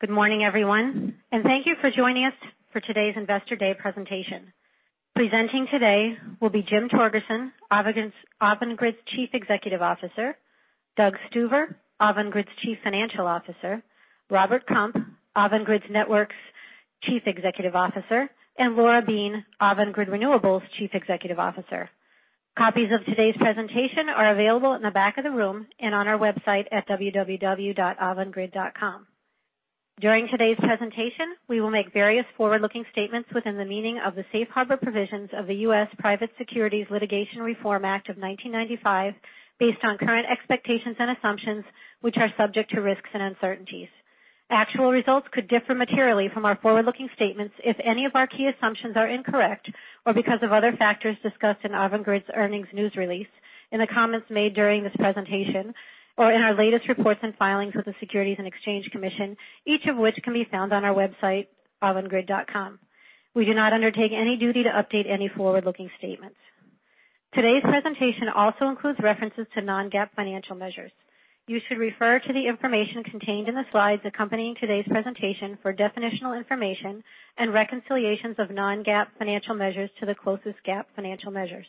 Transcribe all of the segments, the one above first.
Good morning, everyone, thank you for joining us for today's Investor Day presentation. Presenting today will be Jim Torgerson, Avangrid's Chief Executive Officer; Doug Stuver, Avangrid's Chief Financial Officer; Robert Kump, Avangrid Networks' Chief Executive Officer; and Laura Beane, Avangrid Renewables Chief Executive Officer. Copies of today's presentation are available in the back of the room and on our website at www.avangrid.com. During today's presentation, we will make various forward-looking statements within the meaning of the Safe Harbor Provisions of the U.S. Private Securities Litigation Reform Act of 1995, based on current expectations and assumptions, which are subject to risks and uncertainties. Actual results could differ materially from our forward-looking statements if any of our key assumptions are incorrect or because of other factors discussed in Avangrid's earnings news release, in the comments made during this presentation, or in our latest reports and filings with the Securities and Exchange Commission, each of which can be found on our website, avangrid.com. We do not undertake any duty to update any forward-looking statements. Today's presentation also includes references to non-GAAP financial measures. You should refer to the information contained in the slides accompanying today's presentation for definitional information and reconciliations of non-GAAP financial measures to the closest GAAP financial measures.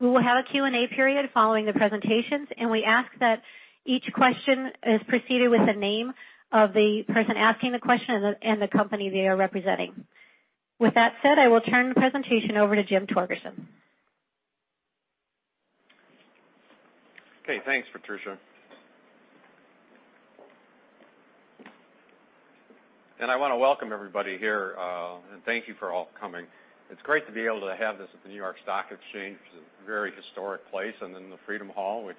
We will have a Q&A period following the presentations, we ask that each question is preceded with the name of the person asking the question and the company they are representing. With that said, I will turn the presentation over to Jim Torgerson. Okay. Thanks, Patricia. I want to welcome everybody here, thank you for all coming. It's great to be able to have this at the New York Stock Exchange. It's a very historic place, the Freedom Hall, which,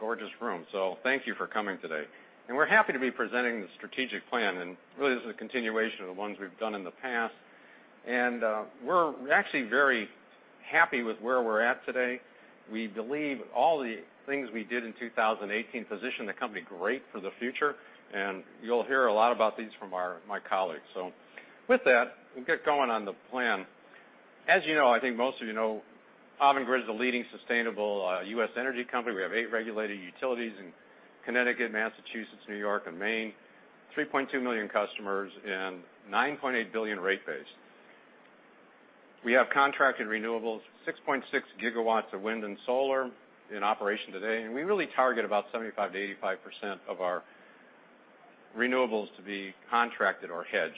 gorgeous room. Thank you for coming today. We're happy to be presenting the strategic plan, really, this is a continuation of the ones we've done in the past. We're actually very happy with where we're at today. We believe all the things we did in 2018 position the company great for the future, you'll hear a lot about these from my colleagues. With that, we'll get going on the plan. As you know, I think most of you know, Avangrid is a leading sustainable U.S. energy company. We have 8 regulated utilities in Connecticut, Massachusetts, New York, and Maine, 3.2 million customers and $9.8 billion rate base. We have contracted renewables, 6.6 gigawatts of wind and solar in operation today, we really target about 75%-85% of our renewables to be contracted or hedged.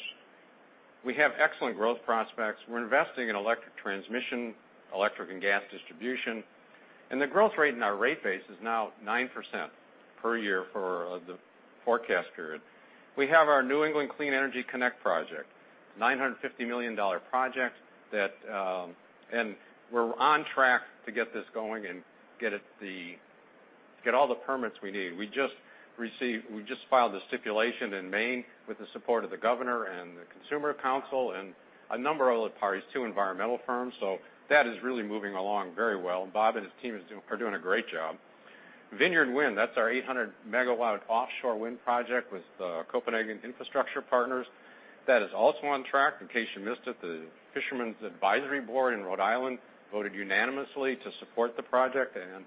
We have excellent growth prospects. We're investing in electric transmission, electric and gas distribution, the growth rate in our rate base is now 9% per year for the forecast period. We have our New England Clean Energy Connect project, $950 million project that, we're on track to get this going and get all the permits we need. We just filed the stipulation in Maine with the support of the governor and the consumer council and a number of other parties, 2 environmental firms. That is really moving along very well. Bob and his team are doing a great job. Vineyard Wind, that's our 800 MW offshore wind project with the Copenhagen Infrastructure Partners. That is also on track. In case you missed it, the Fishermen's Advisory Board in Rhode Island voted unanimously to support the project and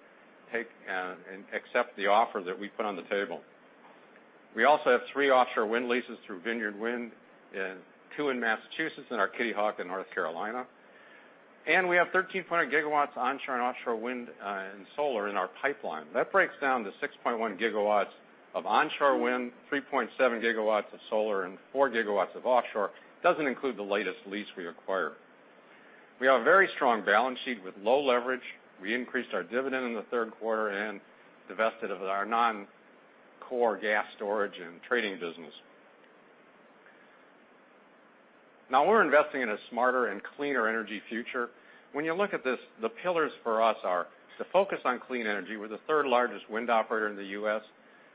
accept the offer that we put on the table. We also have 3 offshore wind leases through Vineyard Wind, and 2 in Massachusetts and our Kitty Hawk in North Carolina. We have 13.8 GW onshore and offshore wind and solar in our pipeline. That breaks down to 6.1 GW of onshore wind, 3.7 GW of solar, and 4 GW of offshore. Doesn't include the latest lease we acquired. We have a very strong balance sheet with low leverage. We increased our dividend in the 3Q and divested of our non-core gas storage and trading business. We're investing in a smarter and cleaner energy future. When you look at this, the pillars for us are to focus on clean energy. We're the 3rd largest wind operator in the U.S.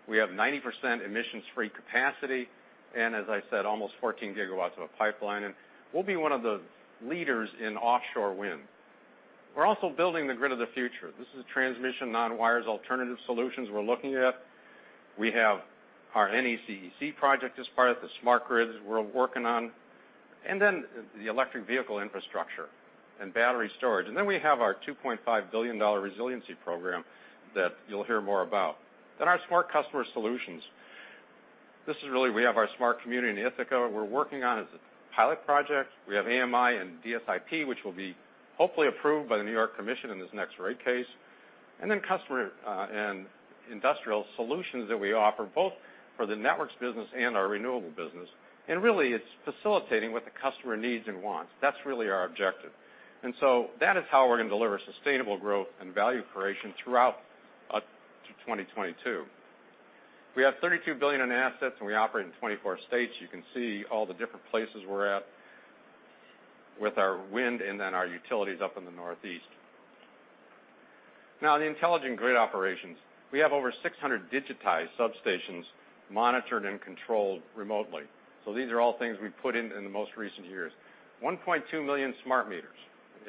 We have 90% emissions-free capacity, and as I said, almost 14 GW of a pipeline, and we'll be one of the leaders in offshore wind. We're also building the grid of the future. This is transmission, non-wires alternative solutions we're looking at. We have our NECEC project as part of the smart grids we're working on, and then the electric vehicle infrastructure and battery storage. We have our $2.5 billion resiliency program that you'll hear more about. Our smart customer solutions. This is, we have our smart community in Ithaca we're working on as a pilot project. We have AMI and DSIP, which will be hopefully approved by the New York Commission in this next rate case. Customer and industrial solutions that we offer both for the networks business and our renewable business, it's facilitating what the customer needs and wants. That's our objective. That is how we're going to deliver sustainable growth and value creation throughout to 2022. We have $32 billion in assets, and we operate in 24 states. You can see all the different places we're at with our wind and then our utilities up in the Northeast. The intelligent grid operations. We have over 600 digitized substations monitored and controlled remotely. These are all things we've put in in the most recent years. 1.2 million smart meters,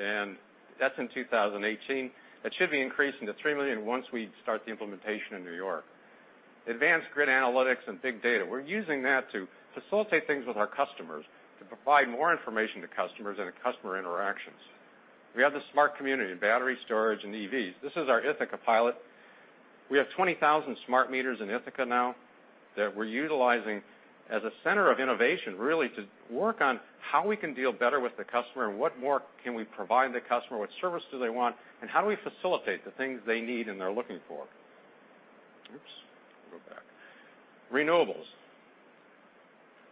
and that's in 2018. That should be increasing to 3 million once we start the implementation in New York. Advanced grid analytics and big data. We're using that to facilitate things with our customers, to provide more information to customers and customer interactions. We have the smart community, battery storage, and EVs. This is our Ithaca pilot. We have 20,000 smart meters in Ithaca now that we're utilizing as a center of innovation, to work on how we can deal better with the customer and what more can we provide the customer, what service do they want, and how do we facilitate the things they need and they're looking for. Renewables.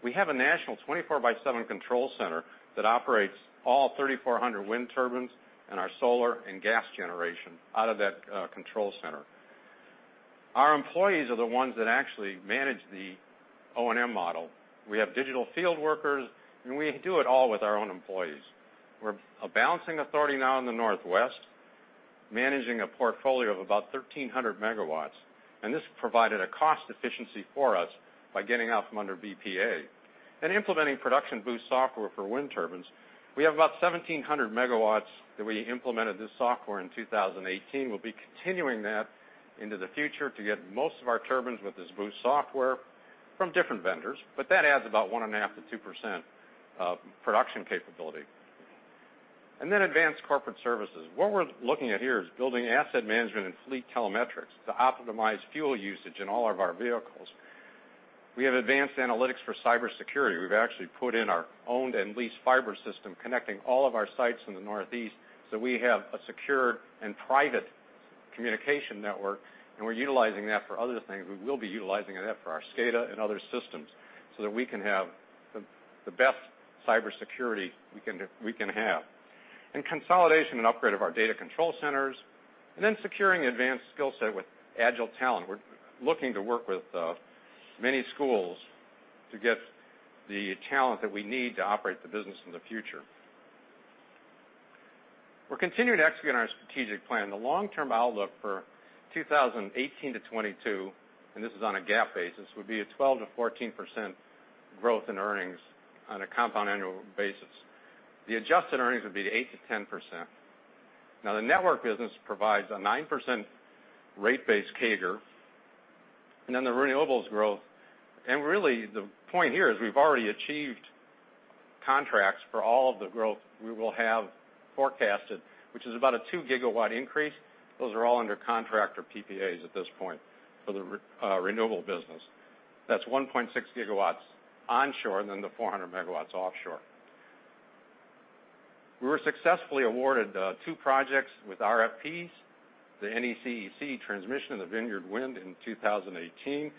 We have a national 24/7 control center that operates all 3,400 wind turbines and our solar and gas generation out of that control center. Our employees are the ones that actually manage the O&M model. We have digital field workers, and we do it all with our own employees. We're a balancing authority now in the Northeast, managing a portfolio of about 1,300 megawatts. This provided a cost efficiency for us by getting out from under BPA. Implementing WindBoost software for wind turbines, we have about 1,700 megawatts that we implemented this software in 2018. We'll be continuing that into the future to get most of our turbines with this boost software from different vendors. That adds about 1.5%-2% production capability. Then advanced corporate services. What we're looking at here is building asset management and fleet telematics to optimize fuel usage in all of our vehicles. We have advanced analytics for cybersecurity. We've actually put in our owned and leased fiber system, connecting all of our sites in the Northeast, so we have a secure and private communication network, and we're utilizing that for other things. We will be utilizing that for our SCADA and other systems so that we can have the best cybersecurity we can have. Consolidation and upgrade of our data control centers, and then securing advanced skill set with agile talent. We're looking to work with many schools to get the talent that we need to operate the business in the future. We're continuing to execute on our strategic plan. The long-term outlook for 2018 to 2022, and this is on a GAAP basis, would be a 12%-14% growth in earnings on a compound annual basis. The adjusted earnings would be 8%-10%. The network business provides a 9% rate base CAGR, and then the renewables growth. Really, the point here is we've already achieved contracts for all of the growth we will have forecasted, which is about a two gigawatt increase. Those are all under contract or PPAs at this point for the renewable business. That's 1.6 gigawatts onshore, and then the 400 megawatts offshore. We were successfully awarded two projects with RFPs, the NECEC Transmission and the Vineyard Wind in 2018.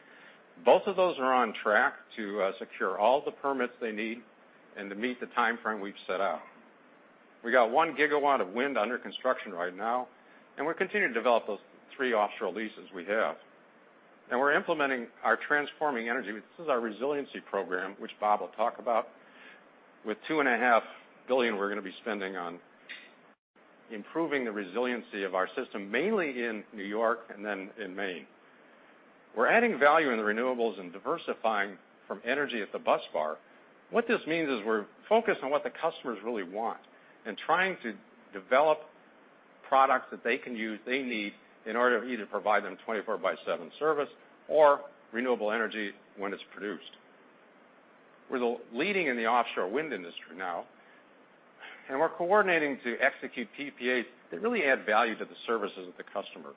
Both of those are on track to secure all the permits they need and to meet the timeframe we've set out. We got one gigawatt of wind under construction right now, and we're continuing to develop those three offshore leases we have. We're implementing our transforming energy. This is our resiliency program, which Bob will talk about, with $2.5 billion we're going to be spending on improving the resiliency of our system, mainly in N.Y. and then in Maine. We're adding value in the renewables and diversifying from energy at the busbar. What this means is we're focused on what the customers really want and trying to develop products that they can use, they need, in order either to provide them 24 by seven service or renewable energy when it's produced. We're leading in the offshore wind industry now, and we're coordinating to execute PPAs that really add value to the services of the customer.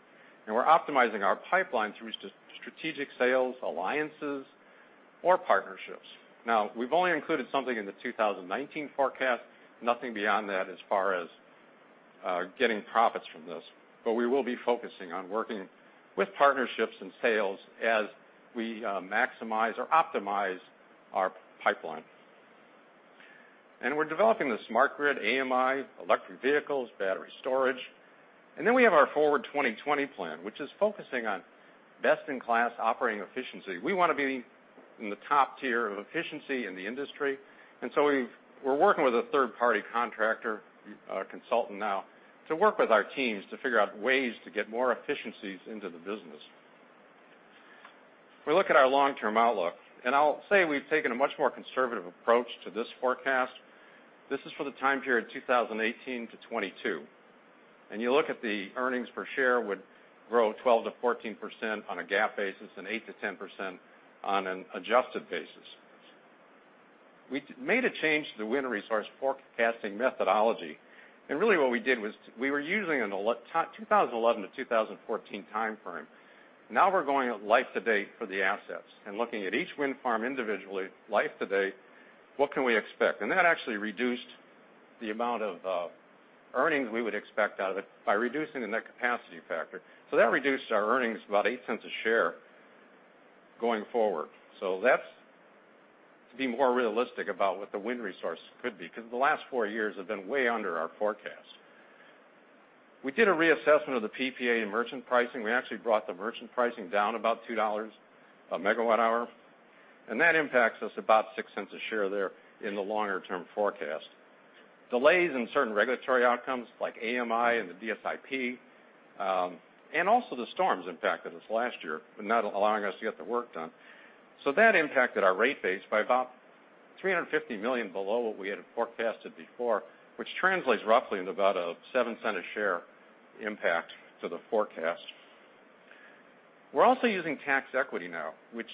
We're optimizing our pipeline through strategic sales, alliances, or partnerships. We've only included something in the 2019 forecast, nothing beyond that as far as getting profits from this. We will be focusing on working with partnerships and sales as we maximize or optimize our pipeline. We're developing the smart grid, AMI, electric vehicles, battery storage. We have our Forward 2020 plan, which is focusing on best-in-class operating efficiency. We want to be in the top tier of efficiency in the industry, so we're working with a third-party contractor consultant now to work with our teams to figure out ways to get more efficiencies into the business. If we look at our long-term outlook, I'll say we've taken a much more conservative approach to this forecast. This is for the time period 2018-2022. You look at the earnings per share would grow 12%-14% on a GAAP basis and 8%-10% on an adjusted basis. We made a change to the wind resource forecasting methodology, really what we did was we were using a 2011-2014 timeframe. Now we're going life to date for the assets and looking at each wind farm individually, life to date, what can we expect? That actually reduced the amount of earnings we would expect out of it by reducing the net capacity factor. That reduced our earnings by $0.08 a share going forward. That's to be more realistic about what the wind resource could be, because the last four years have been way under our forecast. We did a reassessment of the PPA and merchant pricing. We actually brought the merchant pricing down about $2 a megawatt hour, that impacts us about $0.06 a share there in the longer-term forecast. Delays in certain regulatory outcomes like AMI and the DSIP, also the storms impacted us last year, not allowing us to get the work done. That impacted our rate base by about $350 million below what we had forecasted before, which translates roughly into about a $0.07 a share impact to the forecast. We're also using tax equity now, which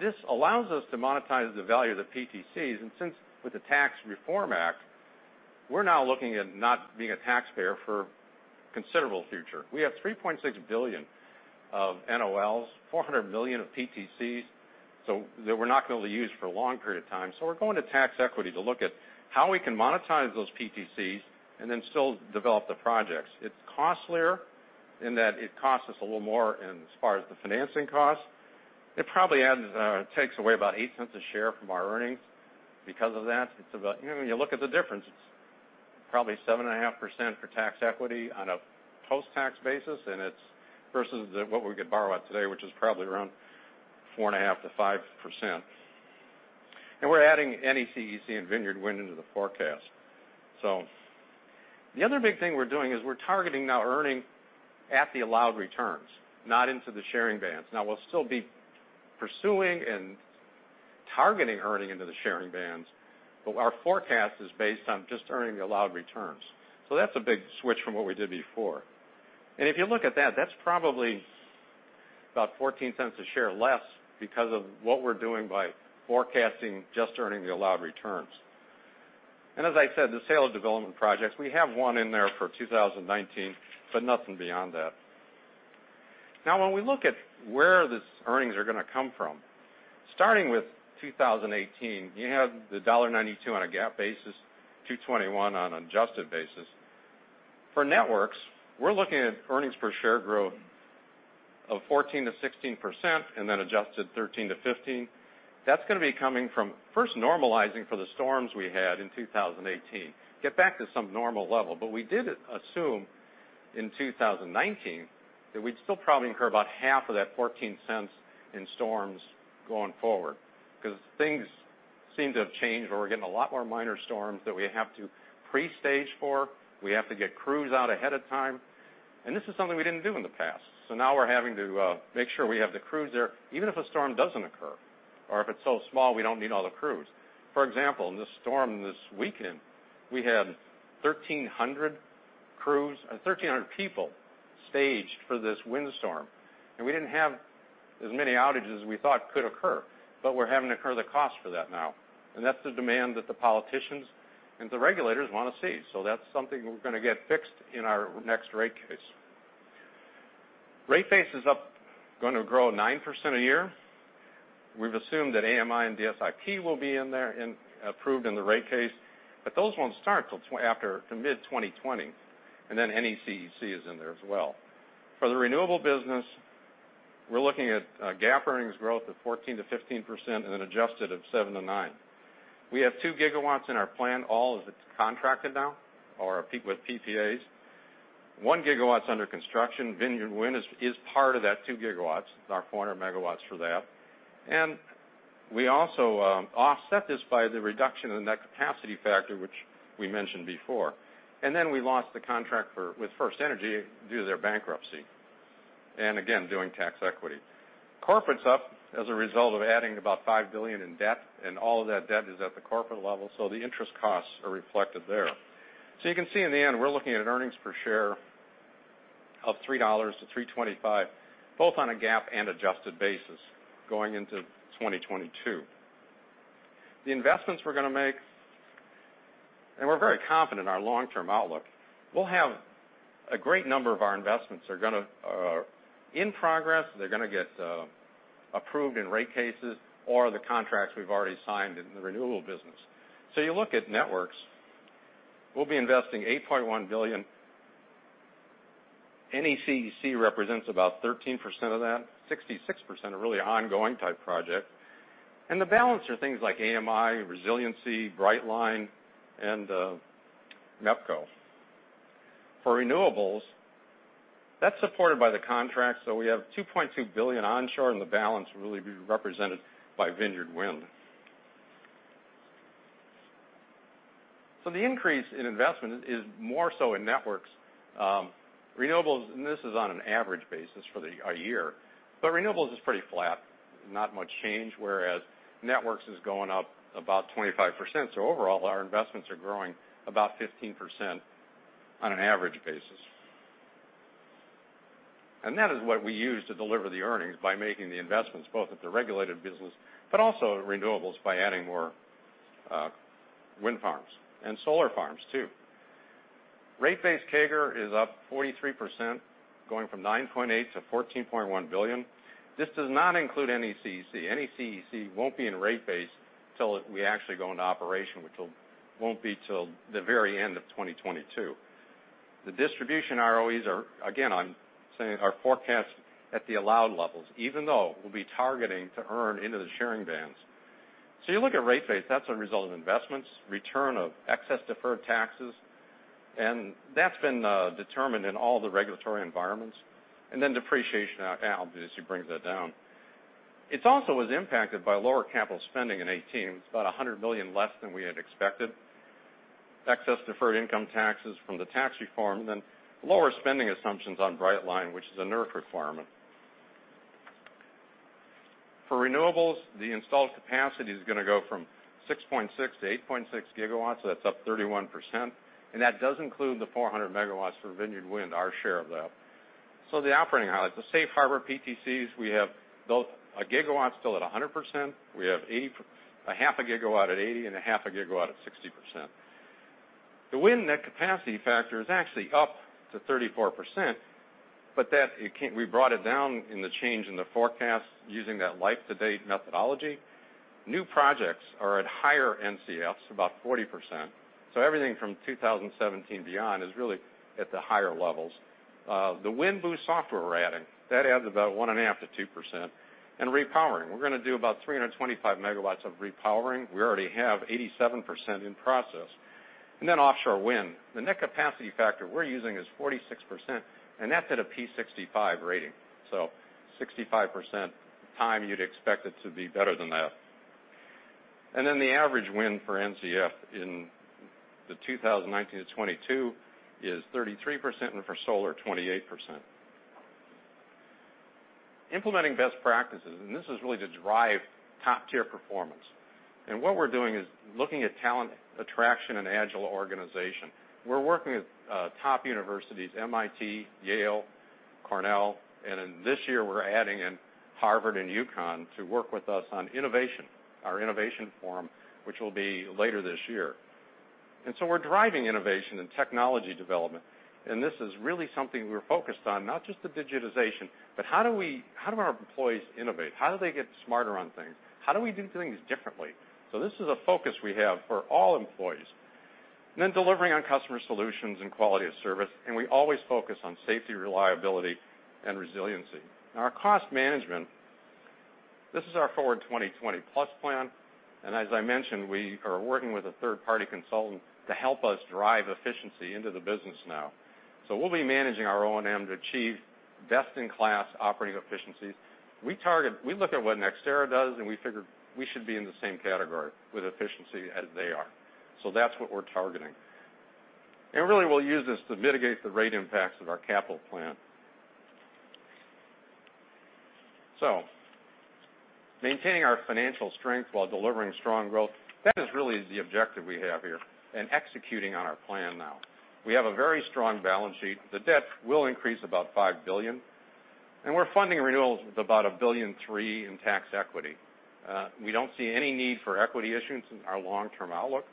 this allows us to monetize the value of the PTCs. Since with the Tax Reform Act, we're now looking at not being a taxpayer for considerable future. We have $3.6 billion of NOLs, $400 million of PTCs, that we're not going to be able to use for a long period of time. We're going to tax equity to look at how we can monetize those PTCs and then still develop the projects. It's costlier in that it costs us a little more as far as the financing cost. It probably takes away about $0.08 a share from our earnings because of that. When you look at the difference, it's probably 7.5% for tax equity on a post-tax basis, and it's versus what we could borrow at today, which is probably around 4.5%-5%. We're adding NECEC and Vineyard Wind into the forecast. The other big thing we're doing is we're targeting now earning at the allowed returns, not into the sharing bands. We'll still be pursuing and targeting earning into the sharing bands, our forecast is based on just earning the allowed returns. That's a big switch from what we did before. If you look at that's probably about $0.14 a share less because of what we're doing by forecasting just earning the allowed returns. As I said, the sale of development projects, we have one in there for 2019, but nothing beyond that. When we look at where these earnings are going to come from, starting with 2018, you have the $1.92 on a GAAP basis, $2.21 on adjusted basis. For networks, we're looking at earnings per share growth of 14%-16% and then adjusted 13%-15%. That's going to be coming from first normalizing for the storms we had in 2018, get back to some normal level. We did assume in 2019 that we'd still probably incur about half of that $0.14 in storms going forward because things seem to have changed, where we're getting a lot more minor storms that we have to pre-stage for. We have to get crews out ahead of time. This is something we didn't do in the past. Now we're having to make sure we have the crews there, even if a storm doesn't occur or if it's so small, we don't need all the crews. For example, in the storm this weekend, we had 1,300 people staged for this windstorm, we didn't have as many outages as we thought could occur, but we're having to incur the cost for that now. That's the demand that the politicians and the regulators want to see. That's something we're going to get fixed in our next rate case. Rate base is going to grow 9% a year. We've assumed that AMI and DSIP will be in there, approved in the rate case, but those won't start till mid-2020, NECEC is in there as well. For the renewable business, we're looking at GAAP earnings growth of 14%-15% and an adjusted of 7%-9%. We have two gigawatts in our plan, all of it's contracted now or with PPAs. One gigawatt's under construction. Vineyard Wind is part of that two gigawatts. Our 400 megawatts for that. We also offset this by the reduction in the net capacity factor, which we mentioned before. We lost the contract with FirstEnergy due to their bankruptcy, again, doing tax equity. Corporate's up as a result of adding about $5 billion in debt, all of that debt is at the corporate level, so the interest costs are reflected there. You can see in the end, we're looking at an earnings per share of $3-$3.25, both on a GAAP and adjusted basis going into 2022. The investments we're going to make, we're very confident in our long-term outlook, we'll have a great number of our investments are in progress. They're going to get approved in rate cases or the contracts we've already signed in the renewable business. You look at networks, we'll be investing $8.1 billion. NECEC represents about 13% of that, 66% are really ongoing type projects. The balance are things like AMI, resiliency, Brightline, and MEPCO. For renewables, that's supported by the contract, we have $2.2 billion onshore, the balance will really be represented by Vineyard Wind. The increase in investment is more so in networks. Renewables, and this is on an average basis for a year, renewables is pretty flat, not much change, whereas networks is going up about 25%. Overall, our investments are growing about 15% on an average basis. That is what we use to deliver the earnings by making the investments both at the regulated business, also renewables by adding more wind farms and solar farms too. Rate base CAGR is up 43%, going from $9.8 billion to $14.1 billion. This does not include NECEC. NECEC won't be in rate base till we actually go into operation, which won't be till the very end of 2022. The distribution ROEs are, again, I'm saying are forecast at the allowed levels, even though we'll be targeting to earn into the sharing bands. You look at rate base, that's a result of investments, return of excess deferred taxes, that's been determined in all the regulatory environments. Depreciation obviously brings that down. It also was impacted by lower capital spending in 2018. It's about $100 million less than we had expected. Excess deferred income taxes from the tax reform, lower spending assumptions on Brightline, which is a NERC requirement. For renewables, the installed capacity is going to go from 6.6-8.6 gigawatts, that's up 31%, that does include the 400 megawatts for Vineyard Wind, our share of that. The operating highlights. The safe harbor PTCs, we have 1 gigawatt still at 100%. We have 0.5 gigawatt at 80%, 0.5 gigawatt at 60%. The wind net capacity factor is actually up to 34%, we brought it down in the change in the forecast using that life-to-date methodology. New projects are at higher NCFs, about 40%. Everything from 2017 beyond is really at the higher levels. The WindBoost software we're adding, that adds about 1.5%-2%. Repowering, we're going to do about 325 megawatts of repowering. We already have 87% in process. Offshore wind. The net capacity factor we're using is 46%, that's at a P65 rating. 65% time, you'd expect it to be better than that. The average wind for NCF in the 2019-2022 is 33%, for solar, 28%. Implementing best practices, this is really to drive top-tier performance. What we're doing is looking at talent attraction and agile organization. We're working with top universities, MIT, Yale, Cornell, this year, we're adding in Harvard and UConn to work with us on innovation, our innovation forum, which will be later this year. We're driving innovation and technology development, this is really something we're focused on, not just the digitization, but how do our employees innovate? How do they get smarter on things? How do we do things differently? This is a focus we have for all employees. Delivering on customer solutions and quality of service, we always focus on safety, reliability, and resiliency. Now our cost management, this is our Forward 2020+ plan. As I mentioned, we are working with a third-party consultant to help us drive efficiency into the business now. We'll be managing our O&M to achieve best-in-class operating efficiencies. We look at what NextEra does, we figure we should be in the same category with efficiency as they are. That's what we're targeting. Really, we'll use this to mitigate the rate impacts of our capital plan. Maintaining our financial strength while delivering strong growth, that is really the objective we have here, and executing on our plan now. We have a very strong balance sheet. The debt will increase about $5 billion, and we're funding renewals with about $1.3 billion in tax equity. We don't see any need for equity issuance in our long-term outlook,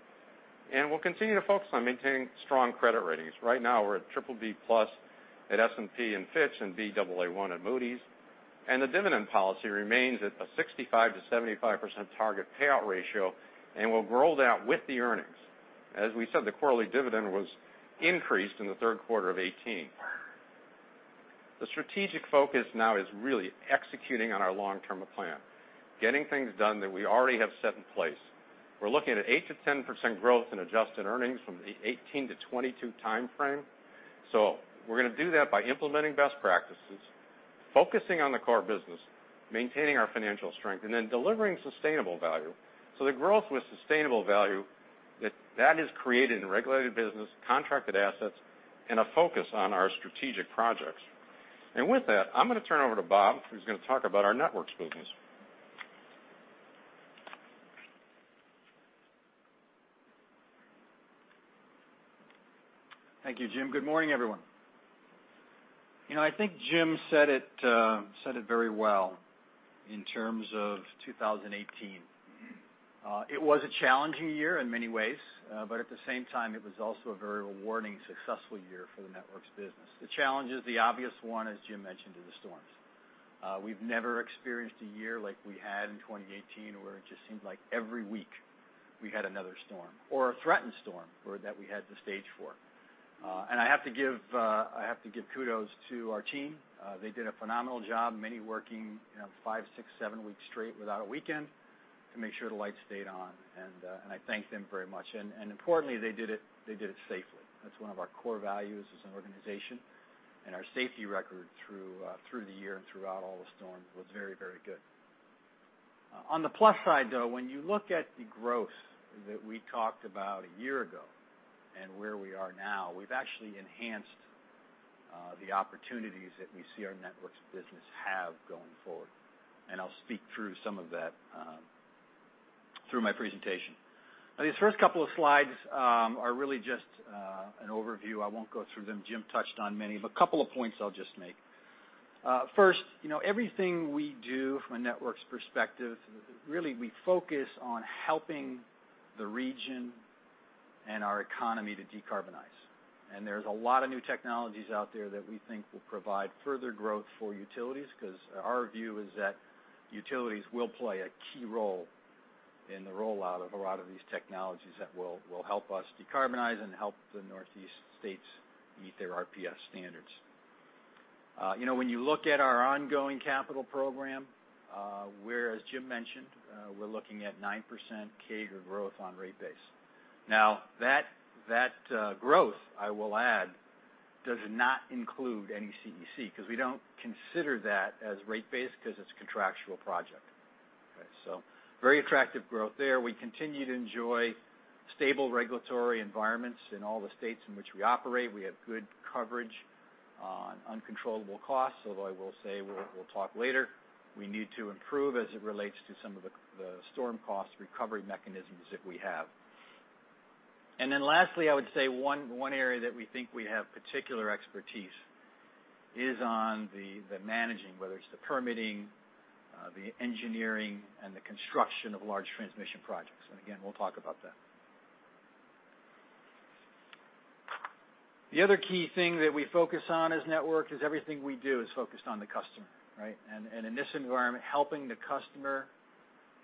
and we'll continue to focus on maintaining strong credit ratings. Right now, we're at BBB+ at S&P and Fitch, and Baa1 at Moody's. The dividend policy remains at a 65%-75% target payout ratio, we'll grow that with the earnings. As we said, the quarterly dividend was increased in the third quarter of 2018. The strategic focus now is really executing on our long-term plan, getting things done that we already have set in place. We're looking at 8%-10% growth in adjusted earnings from the 2018 to 2022 timeframe. We're going to do that by implementing best practices, focusing on the core business, maintaining our financial strength, delivering sustainable value. The growth with sustainable value, that is created in regulated business, contracted assets, and a focus on our strategic projects. With that, I'm going to turn it over to Bob, who's going to talk about our networks business. Thank you, Jim. Good morning, everyone. I think Jim said it very well in terms of 2018. It was a challenging year in many ways, at the same time, it was also a very rewarding, successful year for the networks business. The challenges, the obvious one, as Jim mentioned, is the storms. We've never experienced a year like we had in 2018, where it just seemed like every week we had another storm or a threatened storm that we had to stage for. I have to give kudos to our team. They did a phenomenal job, many working 5, 6, 7 weeks straight without a weekend to make sure the lights stayed on, I thank them very much. Importantly, they did it safely. That's one of our core values as an organization, our safety record through the year and throughout all the storms was very, very good. On the plus side, though, when you look at the growth that we talked about a year ago and where we are now, we've actually enhanced the opportunities that we see our networks business have going forward, and I'll speak through some of that through my presentation. These first couple of slides are really just an overview. I won't go through them. Jim touched on many, couple of points I'll just make. First, everything we do from a networks perspective, really, we focus on helping the region and our economy to decarbonize. There's a lot of new technologies out there that we think will provide further growth for utilities because our view is that utilities will play a key role in the rollout of a lot of these technologies that will help us decarbonize and help the Northeast states meet their RPS standards. When you look at our ongoing capital program, as Jim mentioned, we're looking at 9% CAGR growth on rate base. That growth, I will add, does not include any CEC because we don't consider that as rate base because it's a contractual project. Very attractive growth there. We continue to enjoy stable regulatory environments in all the states in which we operate. We have good coverage on uncontrollable costs, although I will say, we'll talk later, we need to improve as it relates to some of the storm cost recovery mechanisms that we have. Lastly, I would say one area that we think we have particular expertise is on the managing, whether it's the permitting, the engineering, and the construction of large transmission projects. Again, we'll talk about that. The other key thing that we focus on as network is everything we do is focused on the customer, right? In this environment, helping the customer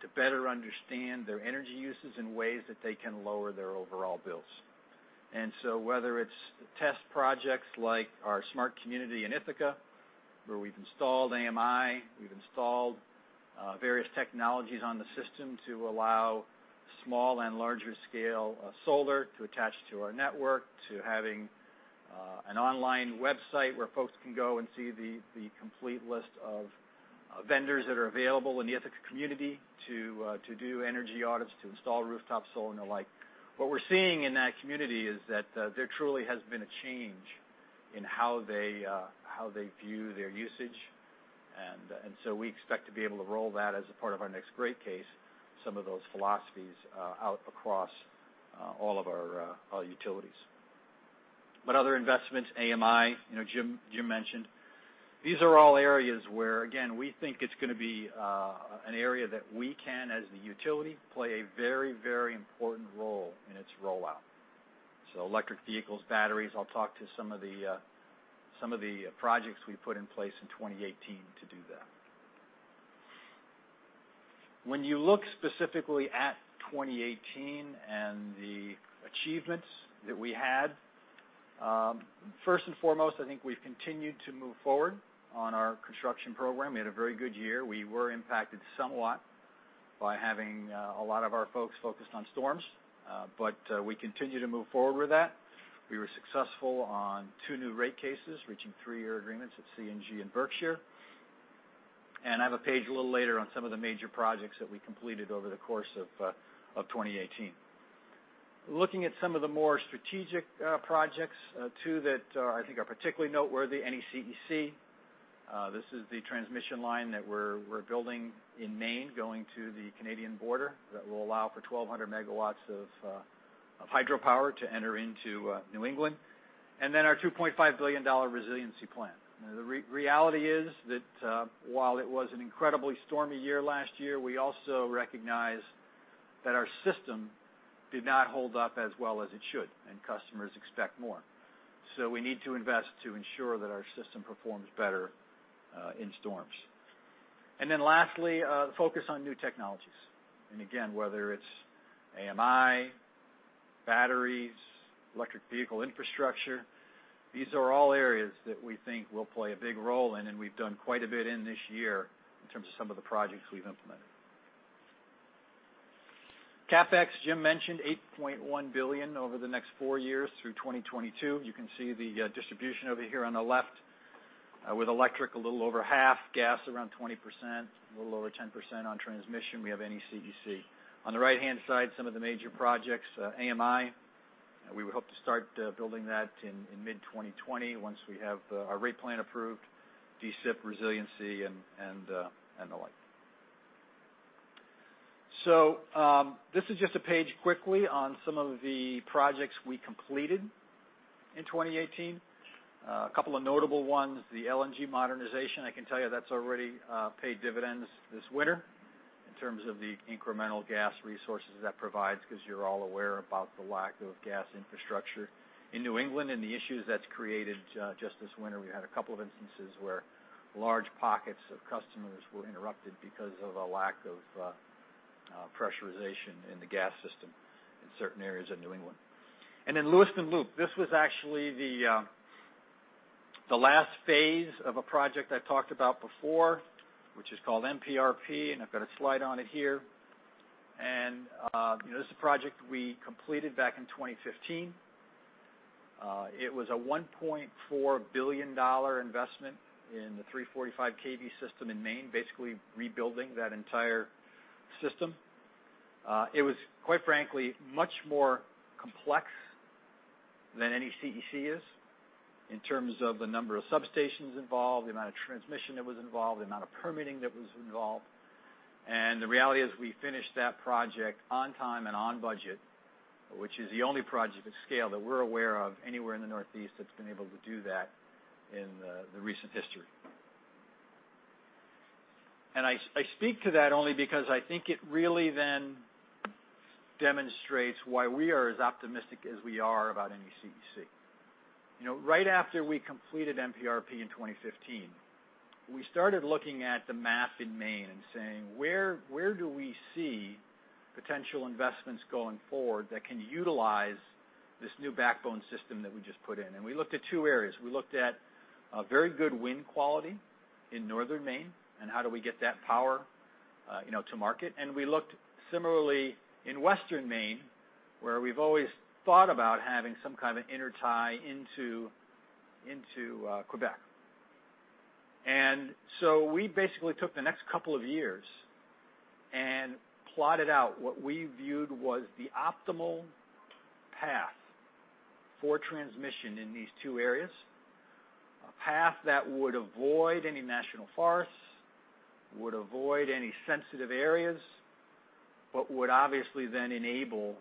to better understand their energy uses and ways that they can lower their overall bills. Whether it's test projects like our smart community in Ithaca, where we've installed AMI, we've installed various technologies on the system to allow small and larger scale solar to attach to our network, to having an online website where folks can go and see the complete list of vendors that are available in the Ithaca community to do energy audits, to install rooftop solar and the like. What we're seeing in that community is that there truly has been a change in how they view their usage, we expect to be able to roll that as a part of our next great case, some of those philosophies, out across all of our utilities. Other investments, AMI, Jim mentioned. These are all areas where, again, we think it's going to be an area that we can, as the utility, play a very important role in its rollout. Electric vehicles, batteries, I'll talk to some of the projects we put in place in 2018 to do that. When you look specifically at 2018 and the achievements that we had, first and foremost, I think we've continued to move forward on our construction program. We had a very good year. We were impacted somewhat by having a lot of our folks focused on storms. We continue to move forward with that. We were successful on two new rate cases, reaching three-year agreements at CNG and Berkshire. I have a page a little later on some of the major projects that we completed over the course of 2018. Looking at some of the more strategic projects, two that I think are particularly noteworthy, NECEC. This is the transmission line that we're building in Maine, going to the Canadian border, that will allow for 1,200 megawatts of hydropower to enter into New England. Our $2.5 billion resiliency plan. The reality is that, while it was an incredibly stormy year last year, we also recognize that our system did not hold up as well as it should, and customers expect more. We need to invest to ensure that our system performs better in storms. Lastly, the focus on new technologies. Whether it's AMI, batteries, electric vehicle infrastructure, these are all areas that we think we'll play a big role in, and we've done quite a bit in this year in terms of some of the projects we've implemented. CapEx, Jim mentioned $8.1 billion over the next 4 years through 2022. You can see the distribution over here on the left, with electric a little over half, gas around 20%, a little over 10% on transmission. We have NECEC. On the right-hand side, some of the major projects, AMI, we would hope to start building that in mid-2020 once we have our rate plan approved, DSIP resiliency, and the like. This is just a page quickly on some of the projects we completed in 2018. A couple of notable ones, the LNG modernization. I can tell you that's already paid dividends this winter in terms of the incremental gas resources that provides, because you're all aware about the lack of gas infrastructure in New England and the issues that's created. Just this winter, we had a couple of instances where large pockets of customers were interrupted because of a lack of pressurization in the gas system in certain areas of New England. Lewiston Loop. This was actually the last phase of a project I've talked about before, which is called MPRP, and I've got a slide on it here. This is a project we completed back in 2015. It was a $1.4 billion investment in the 345 kV system in Maine, basically rebuilding that entire system. It was, quite frankly, much more complex than NECEC is in terms of the number of substations involved, the amount of transmission that was involved, the amount of permitting that was involved. The reality is we finished that project on time and on budget, which is the only project of scale that we're aware of anywhere in the Northeast that's been able to do that in the recent history. I speak to that only because I think it really then demonstrates why we are as optimistic as we are about NECEC. Right after we completed MPRP in 2015, we started looking at the map in Maine and saying, "Where do we see potential investments going forward that can utilize this new backbone system that we just put in?" We looked at two areas. We looked at very good wind quality in northern Maine, and how do we get that power to market. We looked similarly in western Maine, where we've always thought about having some kind of intertie into Quebec. We basically took the next couple of years and plotted out what we viewed was the optimal path for transmission in these two areas. A path that would avoid any national forests, would avoid any sensitive areas, but would obviously then enable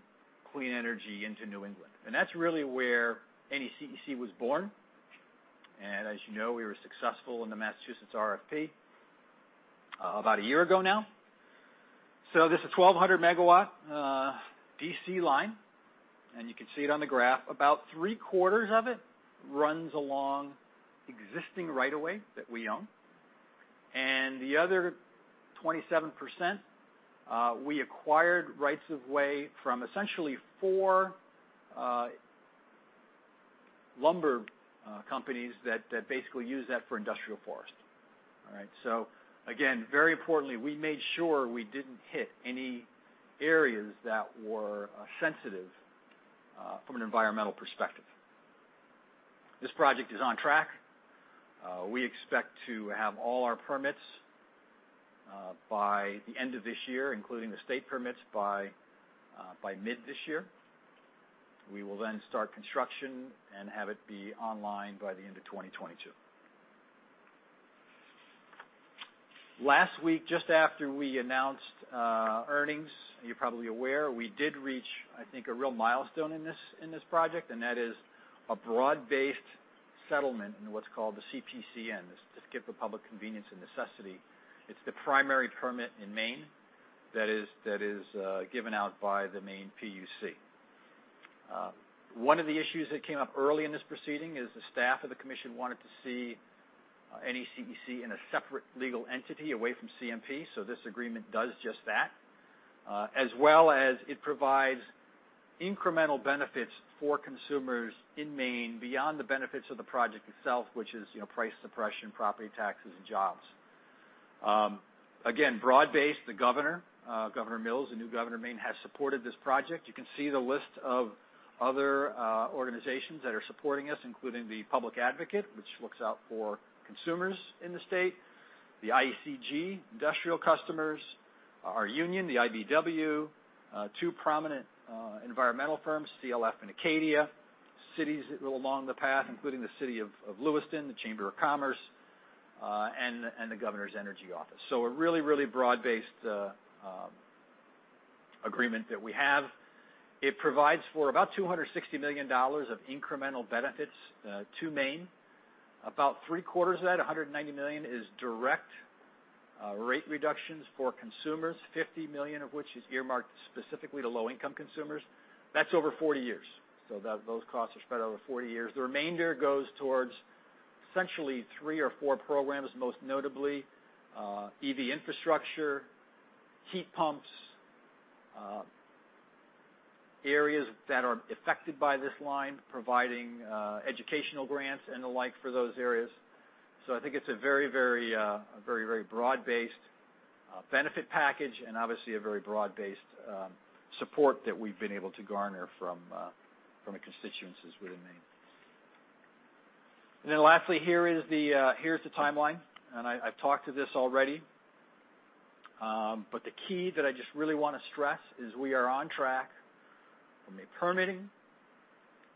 clean energy into New England. That's really where NECEC was born. As you know, we were successful in the Massachusetts RFP about a year ago now. This is a 1,200-megawatt DC line, and you can see it on the graph. About three-quarters of it runs along existing right of way that we own. The other 27%, we acquired rights of way from essentially four lumber companies that basically use that for industrial forest. Again, very importantly, we made sure we didn't hit any areas that were sensitive from an environmental perspective. This project is on track. We expect to have all our permits by the end of this year, including the state permits by mid this year. We will then start construction and have it be online by the end of 2022. Last week, just after we announced earnings, you're probably aware, we did reach, I think, a real milestone in this project, and that is a broad-based settlement in what's called the CPCN. This is the Certificate of Public Convenience and Necessity. It's the primary permit in Maine that is given out by the Maine PUC. One of the issues that came up early in this proceeding is the staff of the commission wanted to see NECEC in a separate legal entity away from CMP. As well as it provides incremental benefits for consumers in Maine beyond the benefits of the project itself, which is price suppression, property taxes, and jobs. Again, broad-based, Governor Mills, the new governor of Maine, has supported this project. You can see the list of other organizations that are supporting us, including the public advocate, which looks out for consumers in the state, the IECG, industrial customers, our union, the IBEW, two prominent environmental firms, CLF and Acadia, cities that are along the path, including the city of Lewiston, the Chamber of Commerce, and the Governor's Energy Office. A really broad-based agreement that we have. It provides for about $260 million of incremental benefits to Maine. About three-quarters of that, $190 million, is direct rate reductions for consumers, $50 million of which is earmarked specifically to low-income consumers. That's over 40 years, those costs are spread over 40 years. The remainder goes towards essentially three or four programs, most notably, EV infrastructure, heat pumps, areas that are affected by this line, providing educational grants and the like for those areas. I think it's a very broad-based benefit package and obviously a very broad-based support that we've been able to garner from the constituencies within Maine. Lastly, here is the timeline. I've talked to this already. The key that I just really want to stress is we are on track from a permitting,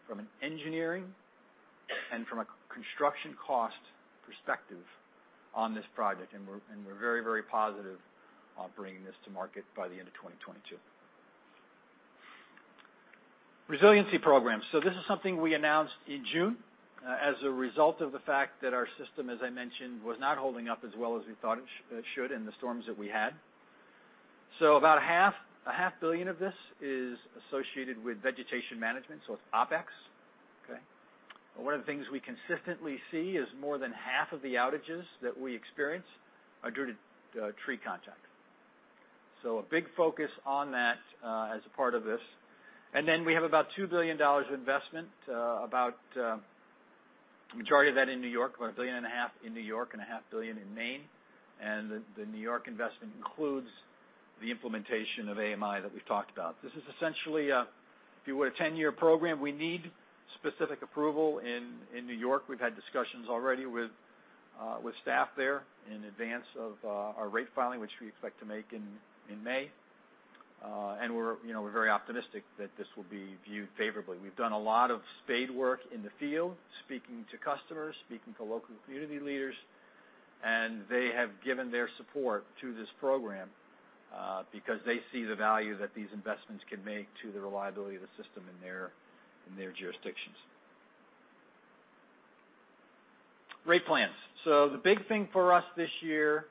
from an engineering, and from a construction cost perspective on this project, and we're very positive on bringing this to market by the end of 2022. Resiliency programs. This is something we announced in June as a result of the fact that our system, as I mentioned, was not holding up as well as we thought it should in the storms that we had. About $half billion of this is associated with vegetation management, it's OpEx. One of the things we consistently see is more than half of the outages that we experience are due to tree contact. A big focus on that as a part of this. We have about $2 billion of investment, about a majority of that in New York, about a billion and a half in New York and a half billion in Maine. The New York investment includes the implementation of AMI that we've talked about. This is essentially, if you would, a 10-year program. We need specific approval in New York. We've had discussions already with staff there in advance of our rate filing, which we expect to make in May. We're very optimistic that this will be viewed favorably. We've done a lot of spade work in the field, speaking to customers, speaking to local community leaders, and they have given their support to this program, because they see the value that these investments can make to the reliability of the system in their jurisdictions. Rate plans. The big thing for us this year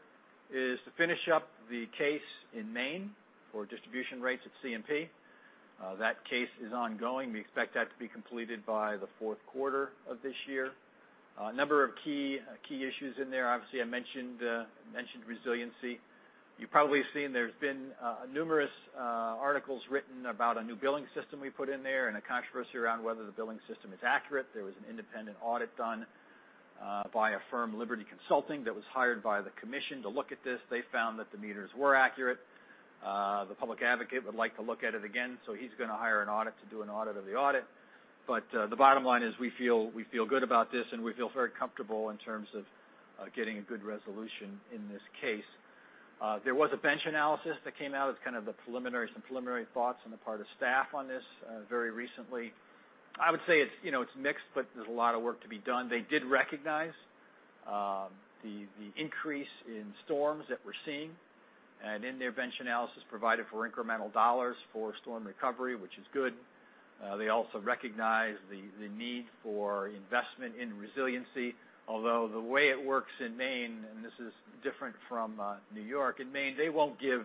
is to finish up the case in Maine for distribution rates at CMP. That case is ongoing. We expect that to be completed by the fourth quarter of this year. A number of key issues in there. Obviously, I mentioned resiliency. You've probably seen there's been numerous articles written about a new billing system we put in there and a controversy around whether the billing system is accurate. There was an independent audit done by a firm, The Liberty Consulting Group, that was hired by the commission to look at this. They found that the meters were accurate. The public advocate would like to look at it again, so he's going to hire an audit to do an audit of the audit. The bottom line is we feel good about this, and we feel very comfortable in terms of getting a good resolution in this case. There was a bench analysis that came out. It's kind of some preliminary thoughts on the part of staff on this very recently. I would say it's mixed, but there's a lot of work to be done. They did recognize the increase in storms that we're seeing, and in their bench analysis provided for incremental dollars for storm recovery, which is good. They also recognized the need for investment in resiliency, although the way it works in Maine, and this is different from New York. In Maine, they won't give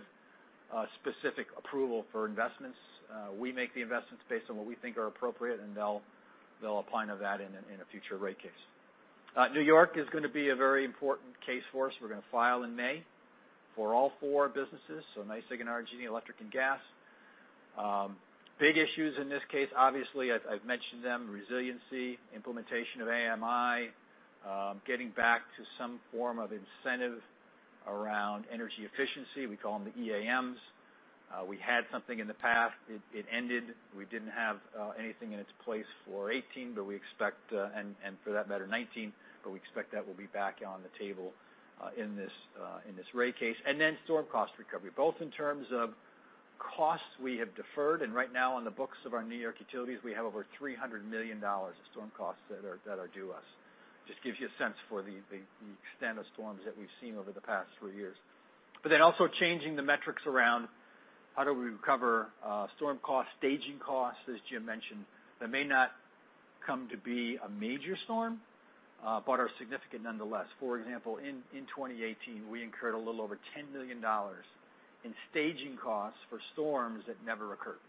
specific approval for investments. We make the investments based on what we think are appropriate, and they'll opine on that in a future rate case. New York is going to be a very important case for us. We're going to file in May for all four businesses, so NYSEG, and RG&E, electric, and gas. Big issues in this case, obviously, I've mentioned them, resiliency, implementation of AMI, getting back to some form of incentive around energy efficiency. We call them the EAMs. We had something in the past. It ended. We didn't have anything in its place for 2018, and for that matter, 2019, but we expect that will be back on the table in this rate case. Storm cost recovery, both in terms of costs we have deferred, and right now on the books of our New York utilities, we have over $300 million of storm costs that are due us. Just gives you a sense for the extent of storms that we've seen over the past three years. Also changing the metrics around how do we recover storm costs, staging costs, as Jim mentioned, that may not come to be a major storm, but are significant nonetheless. For example, in 2018, we incurred a little over $10 million in staging costs for storms that never occurred.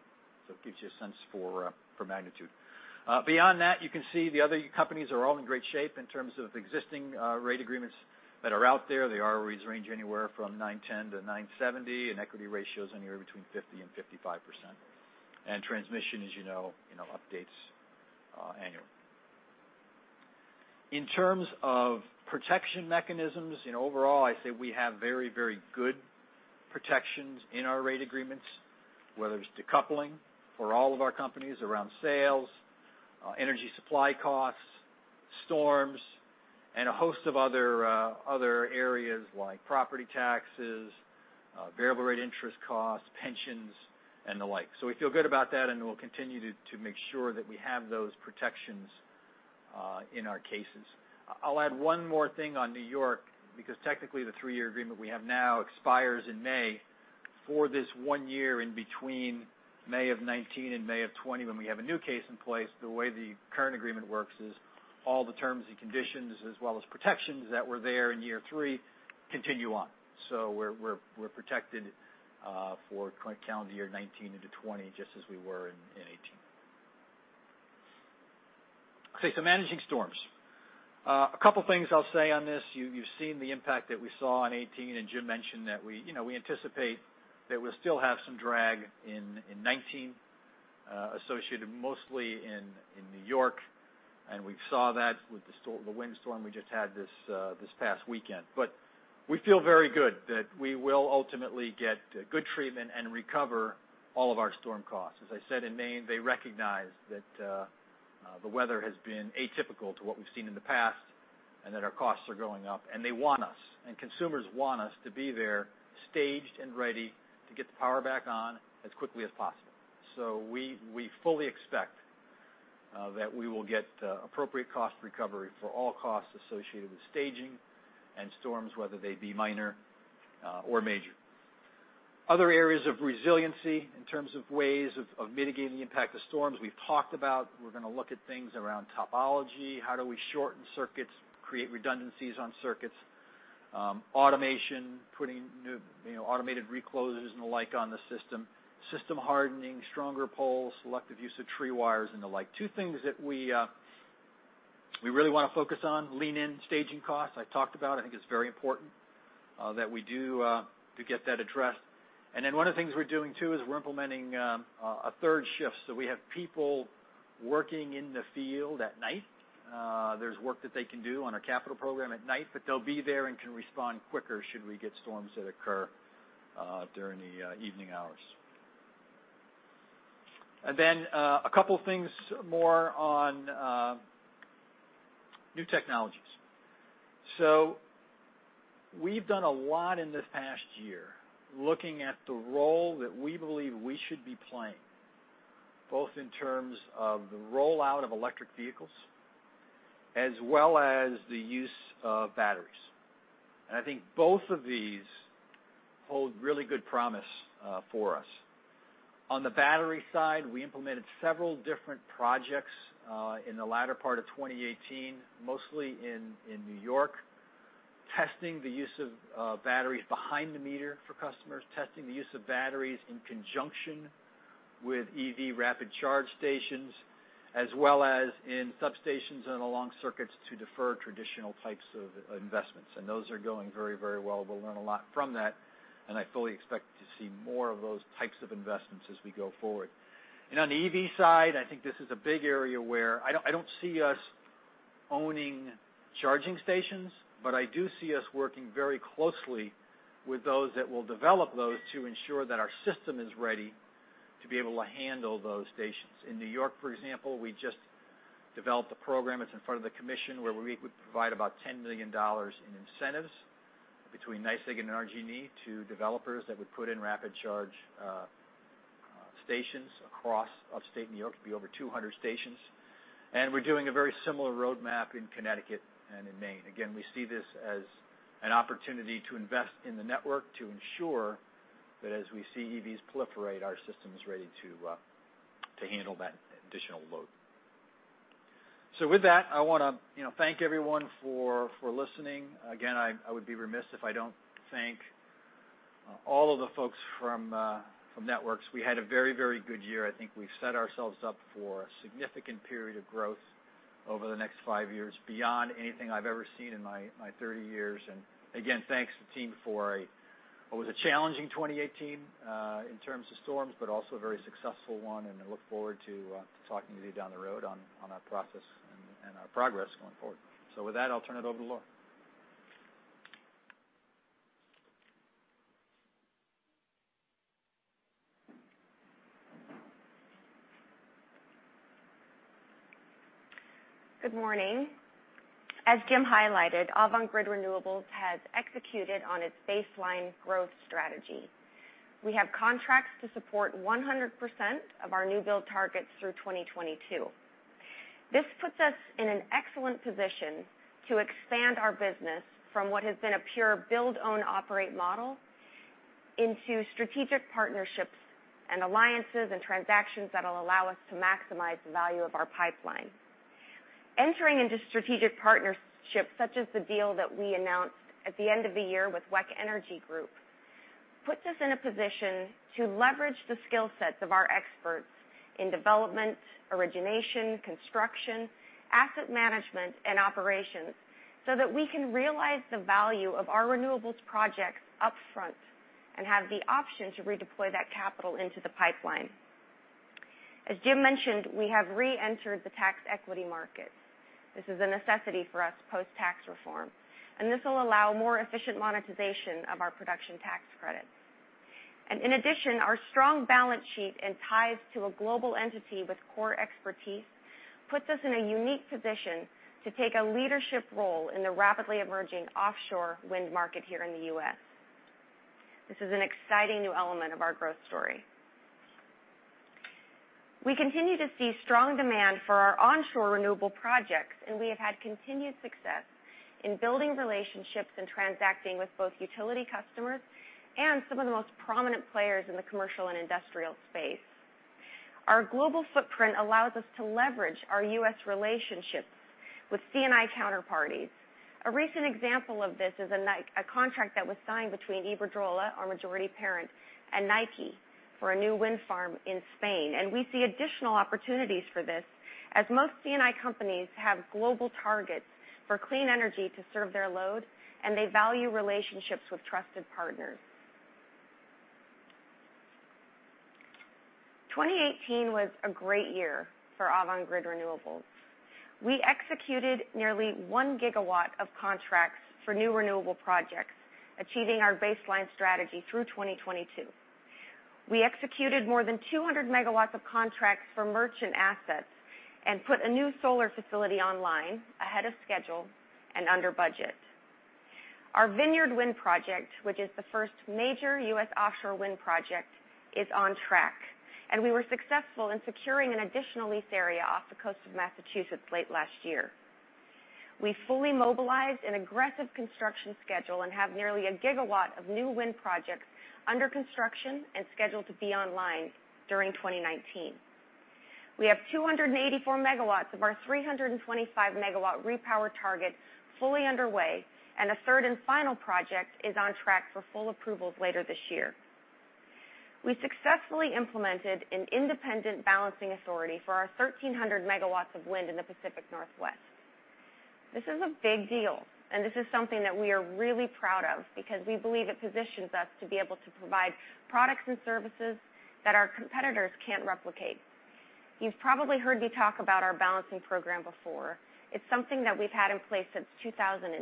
It gives you a sense for magnitude. Beyond that, you can see the other companies are all in great shape in terms of existing rate agreements that are out there. The ROEs range anywhere from 910 to 970, and equity ratios anywhere between 50% and 55%. Transmission, as you know, updates annually. In terms of protection mechanisms, overall, I'd say we have very good protections in our rate agreements, whether it's decoupling for all of our companies around sales, energy supply costs, storms, and a host of other areas like property taxes, variable rate interest costs, pensions, and the like. We feel good about that, and we'll continue to make sure that we have those protections in our cases. I'll add one more thing on New York, because technically the three-year agreement we have now expires in May. For this one year in between May of 2019 and May of 2020, when we have a new case in place, the way the current agreement works is all the terms and conditions, as well as protections that were there in year three, continue on. We're protected for calendar year 2019 into 2020, just as we were in 2018. Managing storms. A couple things I'll say on this. You've seen the impact that we saw in 2018, and Jim mentioned that we anticipate that we'll still have some drag in 2019, associated mostly in New York, and we saw that with the windstorm we just had this past weekend. We feel very good that we will ultimately get good treatment and recover all of our storm costs. As I said, in Maine, they recognize that the weather has been atypical to what we've seen in the past, and that our costs are going up, and they want us, and consumers want us to be there, staged and ready to get the power back on as quickly as possible. We fully expect that we will get appropriate cost recovery for all costs associated with staging and storms, whether they be minor or major. Other areas of resiliency in terms of ways of mitigating the impact of storms. We've talked about we're going to look at things around topology. How do we shorten circuits, create redundancies on circuits? Automation, putting new automated reclosers and the like on the system. System hardening, stronger poles, selective use of tree wires and the like. Two things that we really want to focus on, lean in, staging costs. I talked about, I think it's very important that we do to get that addressed. One of the things we're doing too is we're implementing a third shift, so we have people working in the field at night. There's work that they can do on our capital program at night, but they'll be there and can respond quicker should we get storms that occur during the evening hours. A couple things more on new technologies. We've done a lot in this past year looking at the role that we believe we should be playing, both in terms of the rollout of electric vehicles as well as the use of batteries. I think both of these hold really good promise for us. On the battery side, we implemented several different projects in the latter part of 2018, mostly in N.Y., testing the use of batteries behind the meter for customers, testing the use of batteries in conjunction with EV rapid charge stations, as well as in substations and along circuits to defer traditional types of investments. Those are going very well. I fully expect to see more of those types of investments as we go forward. On the EV side, I think this is a big area where I don't see us owning charging stations, but I do see us working very closely with those that will develop those to ensure that our system is ready to be able to handle those stations. In N.Y., for example, we just developed a program, it's in front of the commission, where we would provide about $10 million in incentives between NYSEG and RG&E to developers that would put in rapid charge stations across upstate N.Y. It'll be over 200 stations. We're doing a very similar roadmap in Connecticut and in Maine. Again, we see this as an opportunity to invest in the network to ensure that as we see EVs proliferate, our system is ready to handle that additional load. With that, I want to thank everyone for listening. Again, I would be remiss if I don't thank all of the folks from Networks. We had a very good year. I think we've set ourselves up for a significant period of growth over the next five years, beyond anything I've ever seen in my 30 years. Again, thanks to the team for what was a challenging 2018 in terms of storms, but also a very successful one, and I look forward to talking with you down the road on our progress going forward. With that, I'll turn it over to Laura. Good morning. As Jim highlighted, Avangrid Renewables has executed on its baseline growth strategy. We have contracts to support 100% of our new build targets through 2022. This puts us in an excellent position to expand our business from what has been a pure build, own, operate model into strategic partnerships and alliances and transactions that'll allow us to maximize the value of our pipeline. Entering into strategic partnerships such as the deal that we announced at the end of the year with WEC Energy Group, puts us in a position to leverage the skill sets of our experts in development, origination, construction, asset management, and operations so that we can realize the value of our renewables projects upfront and have the option to redeploy that capital into the pipeline. As Jim mentioned, we have re-entered the tax equity market. This is a necessity for us post-tax reform, and this will allow more efficient monetization of our Production Tax Credits. In addition, our strong balance sheet and ties to a global entity with core expertise puts us in a unique position to take a leadership role in the rapidly emerging offshore wind market here in the U.S. This is an exciting new element of our growth story. We continue to see strong demand for our onshore renewable projects, and we have had continued success in building relationships and transacting with both utility customers and some of the most prominent players in the commercial and industrial space. Our global footprint allows us to leverage our U.S. relationships with C&I counterparties. A recent example of this is a contract that was signed between Iberdrola, our majority parent, and Nike for a new wind farm in Spain. We see additional opportunities for this, as most C&I companies have global targets for clean energy to serve their load, and they value relationships with trusted partners. 2018 was a great year for Avangrid Renewables. We executed nearly one gigawatt of contracts for new renewable projects, achieving our baseline strategy through 2022. We executed more than 200 megawatts of contracts for merchant assets and put a new solar facility online ahead of schedule and under budget. Our Vineyard Wind project, which is the first major U.S. offshore wind project, is on track, and we were successful in securing an additional lease area off the coast of Massachusetts late last year. We fully mobilized an aggressive construction schedule and have nearly a gigawatt of new wind projects under construction and scheduled to be online during 2019. We have 284 megawatts of our 325-megawatt repower target fully underway, and a third and final project is on track for full approvals later this year. We successfully implemented an independent balancing authority for our 1,300 megawatts of wind in the Pacific Northwest. This is a big deal, and this is something that we are really proud of because we believe it positions us to be able to provide products and services that our competitors can't replicate. You've probably heard me talk about our balancing program before. It's something that we've had in place since 2010,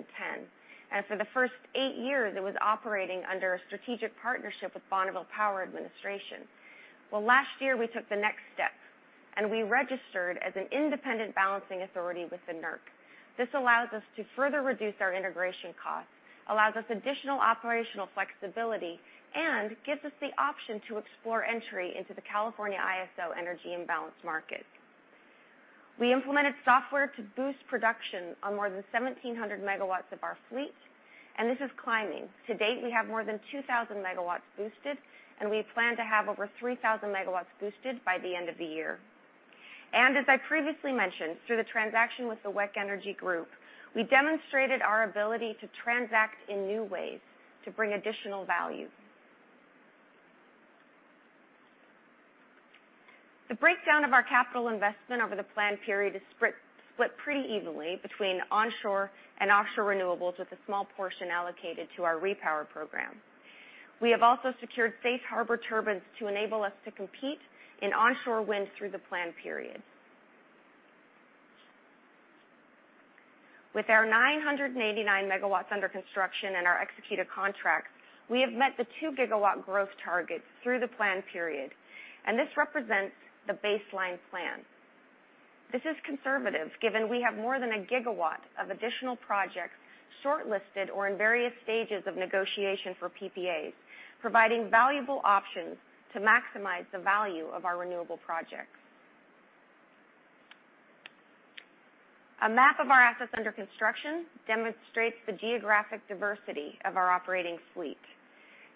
and for the first eight years, it was operating under a strategic partnership with Bonneville Power Administration. Well, last year, we took the next step and we registered as an independent balancing authority with the NERC. This allows us to further reduce our integration costs, allows us additional operational flexibility, and gives us the option to explore entry into the California ISO energy and balance market. We implemented software to boost production on more than 1,700 megawatts of our fleet, and this is climbing. To date, we have more than 2,000 megawatts boosted, and we plan to have over 3,000 megawatts boosted by the end of the year. As I previously mentioned, through the transaction with the WEC, we demonstrated our ability to transact in new ways to bring additional value. The breakdown of our capital investment over the plan period is split pretty evenly between onshore and offshore renewables with a small portion allocated to our repower program. We have also secured safe harbor turbines to enable us to compete in onshore wind through the plan period. With our 989 MW under construction and our executed contracts, we have met the 2 GW growth target through the plan period. This represents the baseline plan. This is conservative, given we have more than a GW of additional projects shortlisted or in various stages of negotiation for PPAs, providing valuable options to maximize the value of our renewable projects. A map of our assets under construction demonstrates the geographic diversity of our operating fleet.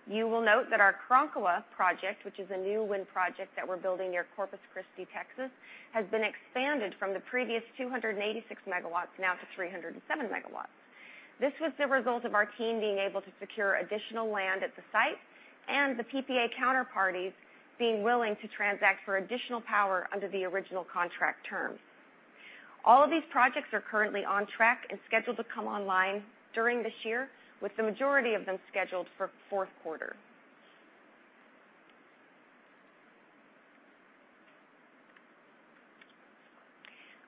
You will note that our Cronulla project, which is a new wind project that we're building near Corpus Christi, Texas, has been expanded from the previous 286 MW now to 307 MW. This was the result of our team being able to secure additional land at the site and the PPA counterparties being willing to transact for additional power under the original contract terms. All of these projects are currently on track and scheduled to come online during this year, with the majority of them scheduled for the fourth quarter.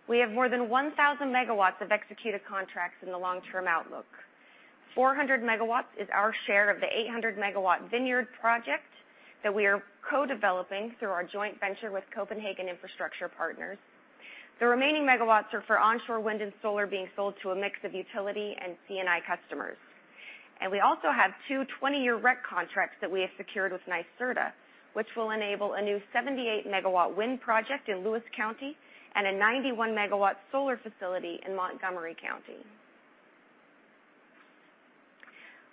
We have more than 1,000 MW of executed contracts in the long-term outlook. 400 MW is our share of the 800 MW Vineyard Wind project that we are co-developing through our joint venture with Copenhagen Infrastructure Partners. The remaining megawatts are for onshore wind and solar being sold to a mix of utility and C&I customers. We also have two 20-year REC contracts that we have secured with NYSERDA, which will enable a new 78 MW wind project in Lewis County and a 91 MW solar facility in Montgomery County.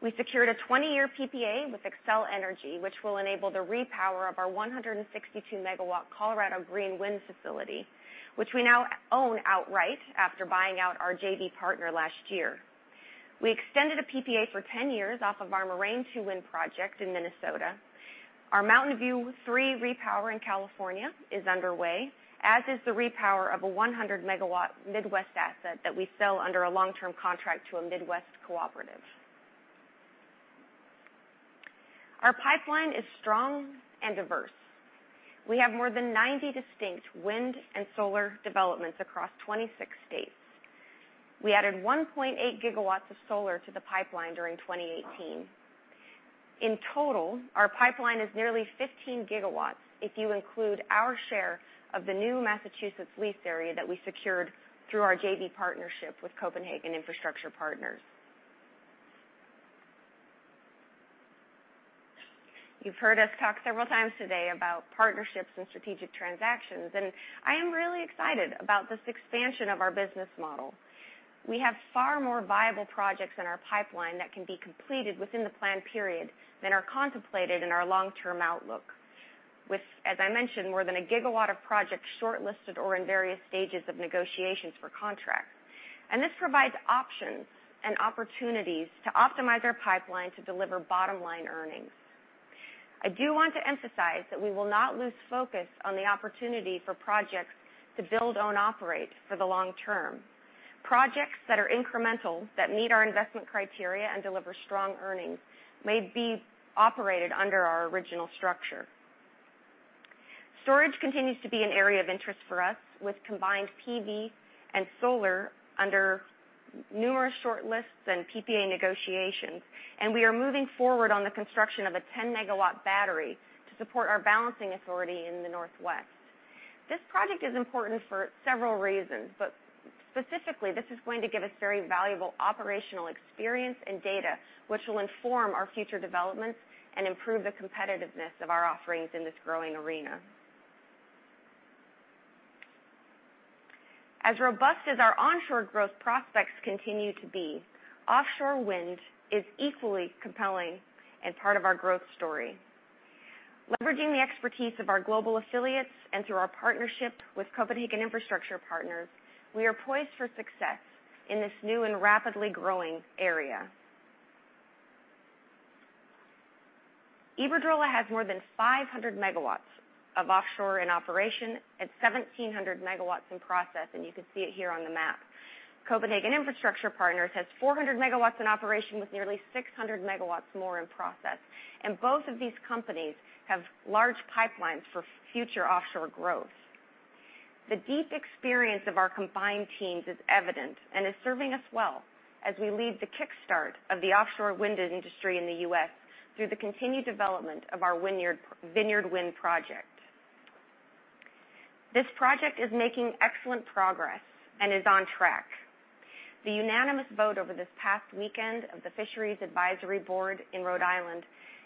We secured a 20-year PPA with Xcel Energy, which will enable the repower of our 162 MW Colorado Green Wind facility, which we now own outright after buying out our JV partner last year. We extended a PPA for 10 years off of our Moraine II Wind project in Minnesota. Our Mountain View III repower in California is underway, as is the repower of a 100 MW Midwest asset that we sell under a long-term contract to a Midwest cooperative. Our pipeline is strong and diverse. We have more than 90 distinct wind and solar developments across 26 states. We added 1.8 GW of solar to the pipeline during 2018. In total, our pipeline is nearly 15 GW if you include our share of the new Massachusetts lease area that we secured through our JV partnership with Copenhagen Infrastructure Partners. You've heard us talk several times today about partnerships and strategic transactions. I am really excited about this expansion of our business model. We have far more viable projects in our pipeline that can be completed within the plan period than are contemplated in our long-term outlook with, as I mentioned, more than a GW of projects shortlisted or in various stages of negotiations for contract. This provides options and opportunities to optimize our pipeline to deliver bottom-line earnings. I do want to emphasize that we will not lose focus on the opportunity for projects to build, own, operate for the long term. Projects that are incremental, that meet our investment criteria and deliver strong earnings may be operated under our original structure. Storage continues to be an area of interest for us with combined PV and solar under numerous shortlists and PPA negotiations. We are moving forward on the construction of a 10 MW battery to support our balancing authority in the Northwest. This project is important for several reasons, but specifically, this is going to give us very valuable operational experience and data, which will inform our future developments and improve the competitiveness of our offerings in this growing arena. As robust as our onshore growth prospects continue to be, offshore wind is equally compelling and part of our growth story. Leveraging the expertise of our global affiliates and through our partnership with Copenhagen Infrastructure Partners, we are poised for success in this new and rapidly growing area. Iberdrola has more than 500 megawatts of offshore in operation and 1,700 megawatts in process, and you can see it here on the map. Copenhagen Infrastructure Partners has 400 megawatts in operation with nearly 600 megawatts more in process. Both of these companies have large pipelines for future offshore growth. The deep experience of our combined teams is evident and is serving us well as we lead the kickstart of the offshore wind industry in the U.S. through the continued development of our Vineyard Wind project. This project is making excellent progress and is on track. The unanimous vote over this past weekend of the Fishermen's Advisory Board in Rhode Island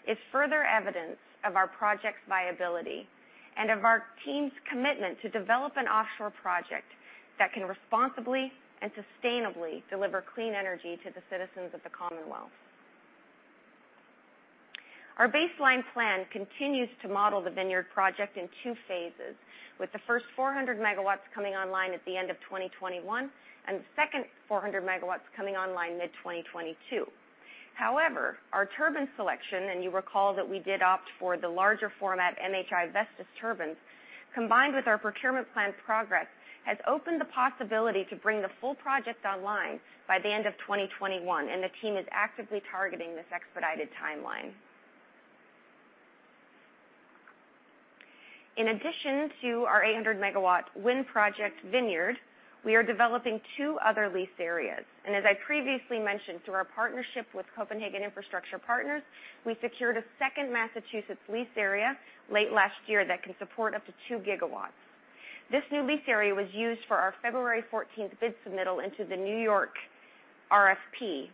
is further evidence of our project's viability and of our team's commitment to develop an offshore project that can responsibly and sustainably deliver clean energy to the citizens of the Commonwealth. Our baseline plan continues to model the Vineyard project in two phases, with the first 400 megawatts coming online at the end of 2021 and the second 400 megawatts coming online mid-2022. However, our turbine selection, you recall that we did opt for the larger format MHI Vestas turbines, combined with our procurement plan progress, has opened the possibility to bring the full project online by the end of 2021, and the team is actively targeting this expedited timeline. In addition to our 800-megawatt wind project, Vineyard, we are developing two other lease areas. As I previously mentioned, through our partnership with Copenhagen Infrastructure Partners, we secured a second Massachusetts lease area late last year that can support up to two gigawatts. This new lease area was used for our February 14th bid submittal into the New York RFP,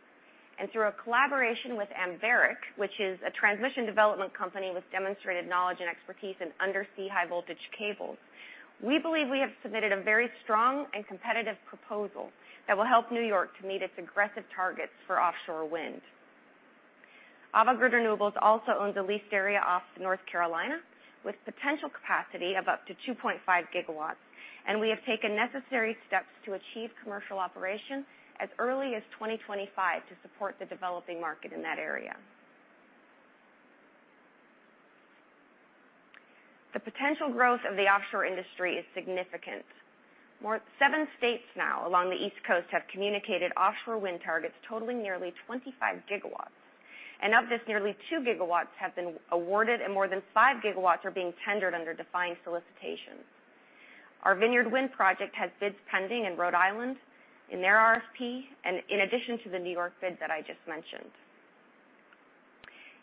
through a collaboration with Anbaric, which is a transmission development company with demonstrated knowledge and expertise in undersea high-voltage cables. We believe we have submitted a very strong and competitive proposal that will help New York to meet its aggressive targets for offshore wind. Avangrid Renewables also owns a leased area off North Carolina with potential capacity of up to 2.5 gigawatts, and we have taken necessary steps to achieve commercial operation as early as 2025 to support the developing market in that area. The potential growth of the offshore industry is significant. seven states now along the East Coast have communicated offshore wind targets totaling nearly 25 gigawatts. Of this, nearly two gigawatts have been awarded and more than five gigawatts are being tendered under defined solicitations. Our Vineyard Wind project has bids pending in Rhode Island in their RFP in addition to the New York bid that I just mentioned.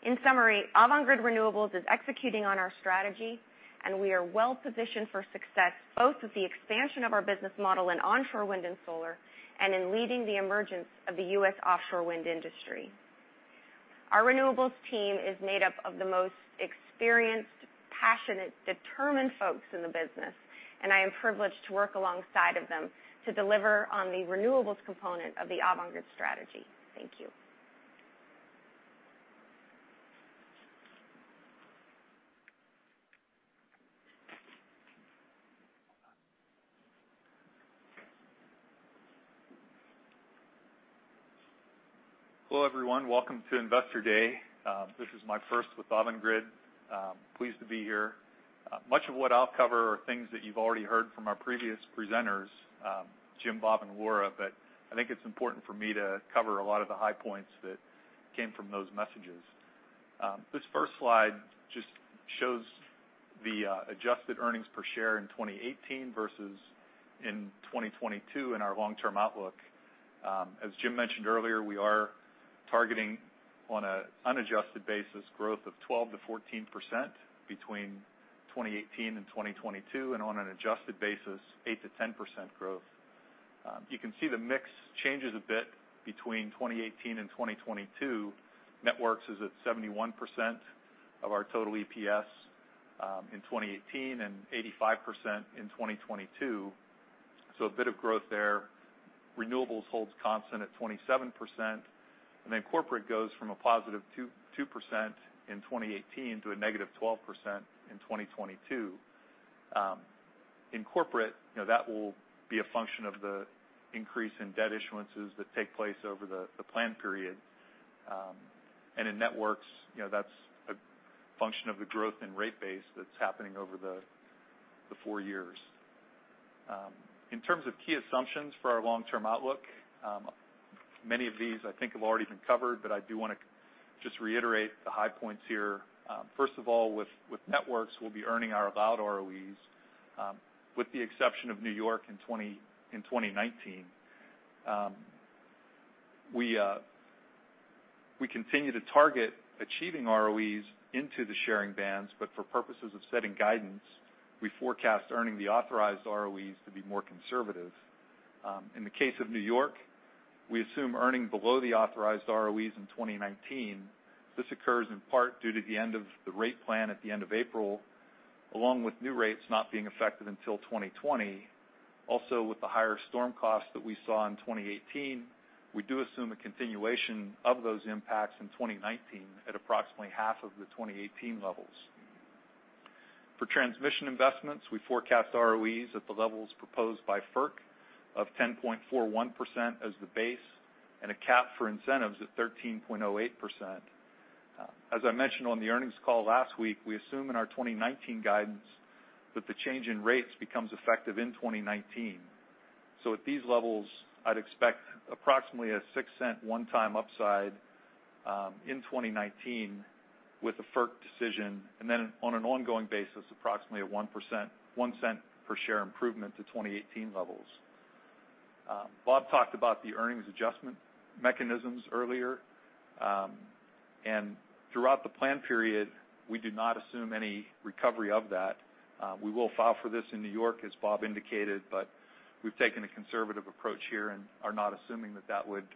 In summary, Avangrid Renewables is executing on our strategy, and we are well-positioned for success, both with the expansion of our business model in onshore wind and solar, and in leading the emergence of the U.S. offshore wind industry. Our renewables team is made up of the most experienced, passionate, determined folks in the business, and I am privileged to work alongside them to deliver on the renewables component of the Avangrid strategy. Thank you. Hello, everyone. Welcome to Investor Day. This is my first with Avangrid. Pleased to be here. Much of what I'll cover are things that you've already heard from our previous presenters, Jim, Bob, and Laura, I think it's important for me to cover a lot of the high points that came from those messages. This first slide just shows the adjusted earnings per share in 2018 versus in 2022 in our long-term outlook. As Jim mentioned earlier, we are targeting on an unadjusted basis growth of 12%-14% between 2018 and 2022, and on an adjusted basis, 8%-10% growth. You can see the mix changes a bit between 2018 and 2022. Networks is at 71% of our total EPS in 2018 and 85% in 2022, so a bit of growth there. Renewables holds constant at 27%. Corporate goes from a positive 2% in 2018 to a negative 12% in 2022. In corporate, that will be a function of the increase in debt issuances that take place over the plan period. In networks, that's a function of the growth in rate base that's happening over the four years. In terms of key assumptions for our long-term outlook, many of these I think have already been covered, I do want to just reiterate the high points here. First of all, with networks, we'll be earning our allowed ROEs, with the exception of New York in 2019. We continue to target achieving ROEs into the sharing bands, but for purposes of setting guidance, we forecast earning the authorized ROEs to be more conservative. In the case of New York, we assume earning below the authorized ROEs in 2019. This occurs in part due to the end of the rate plan at the end of April, along with new rates not being effective until 2020. Also, with the higher storm costs that we saw in 2018, we do assume a continuation of those impacts in 2019 at approximately half of the 2018 levels. For transmission investments, we forecast ROEs at the levels proposed by FERC of 10.41% as the base and a cap for incentives at 13.08%. As I mentioned on the earnings call last week, we assume in our 2019 guidance that the change in rates becomes effective in 2019. At these levels, I'd expect approximately a $0.06 one-time upside, in 2019 with a FERC decision, and then on an ongoing basis, approximately a $0.01 per share improvement to 2018 levels. Bob talked about the earnings adjustment mechanisms earlier. Throughout the plan period, we do not assume any recovery of that. We will file for this in New York, as Bob indicated, but we've taken a conservative approach here and are not assuming that that would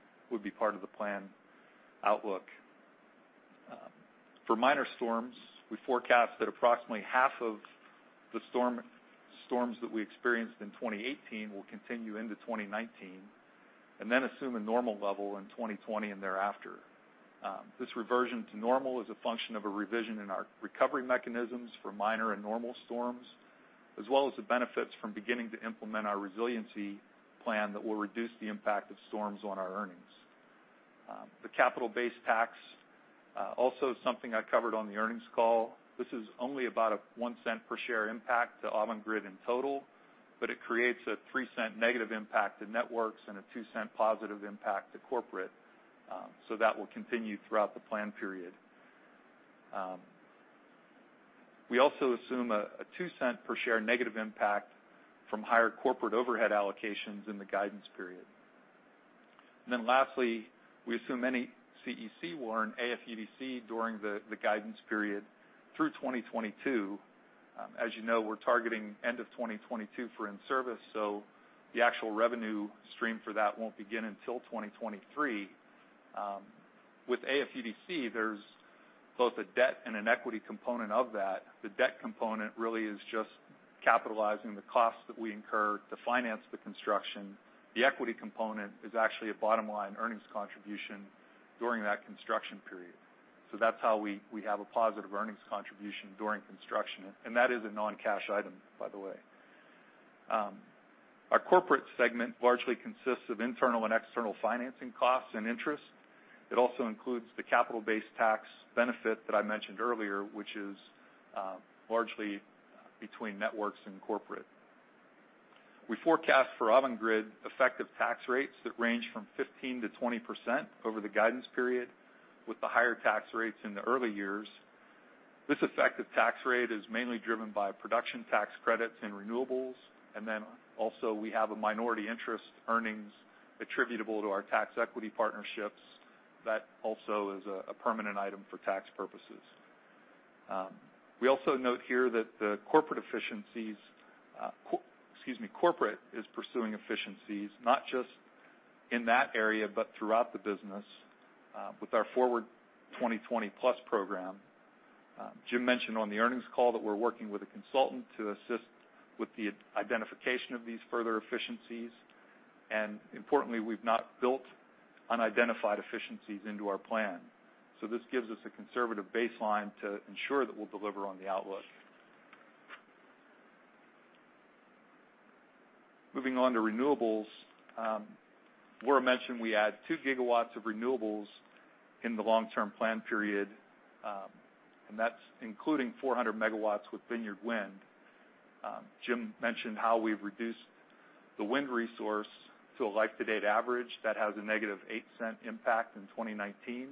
be part of the plan outlook. For minor storms, we forecast that approximately half of the storms that we experienced in 2018 will continue into 2019, and then assume a normal level in 2020 and thereafter. This reversion to normal is a function of a revision in our recovery mechanisms for minor and normal storms, as well as the benefits from beginning to implement our resiliency plan that will reduce the impact of storms on our earnings. The capital base tax, also something I covered on the earnings call. This is only about a $0.01 per share impact to Avangrid in total. But it creates a $0.03 negative impact to networks and a $0.02 positive impact to corporate. That will continue throughout the plan period. We also assume a $0.02 per share negative impact from higher corporate overhead allocations in the guidance period. Lastly, we assume NECEC will earn AFUDC during the guidance period through 2022. As you know, we're targeting end of 2022 for in-service, so the actual revenue stream for that won't begin until 2023. With AFUDC, there's both a debt and an equity component of that. The debt component really is just capitalizing the cost that we incur to finance the construction. The equity component is actually a bottom-line earnings contribution during that construction period. That's how we have a positive earnings contribution during construction, and that is a non-cash item, by the way. Our corporate segment largely consists of internal and external financing costs and interest. It also includes the capital-based tax benefit that I mentioned earlier, which is largely between networks and corporate. We forecast for Avangrid effective tax rates that range from 15%-20% over the guidance period, with the higher tax rates in the early years. This effective tax rate is mainly driven by Production Tax Credits and renewables, and then also we have a minority interest earnings attributable to our tax equity partnerships. That also is a permanent item for tax purposes. We also note here that the corporate is pursuing efficiencies, not just in that area, but throughout the business with our Forward 2020+ program. Jim mentioned on the earnings call that we're working with a consultant to assist with the identification of these further efficiencies. Importantly, we've not built unidentified efficiencies into our plan. This gives us a conservative baseline to ensure that we'll deliver on the outlook. Moving on to renewables. Laura mentioned we add 2 gigawatts of renewables in the long-term plan period, and that's including 400 megawatts with Vineyard Wind. Jim mentioned how we've reduced the wind resource to a like-to-date average that has a negative $0.08 impact in 2019.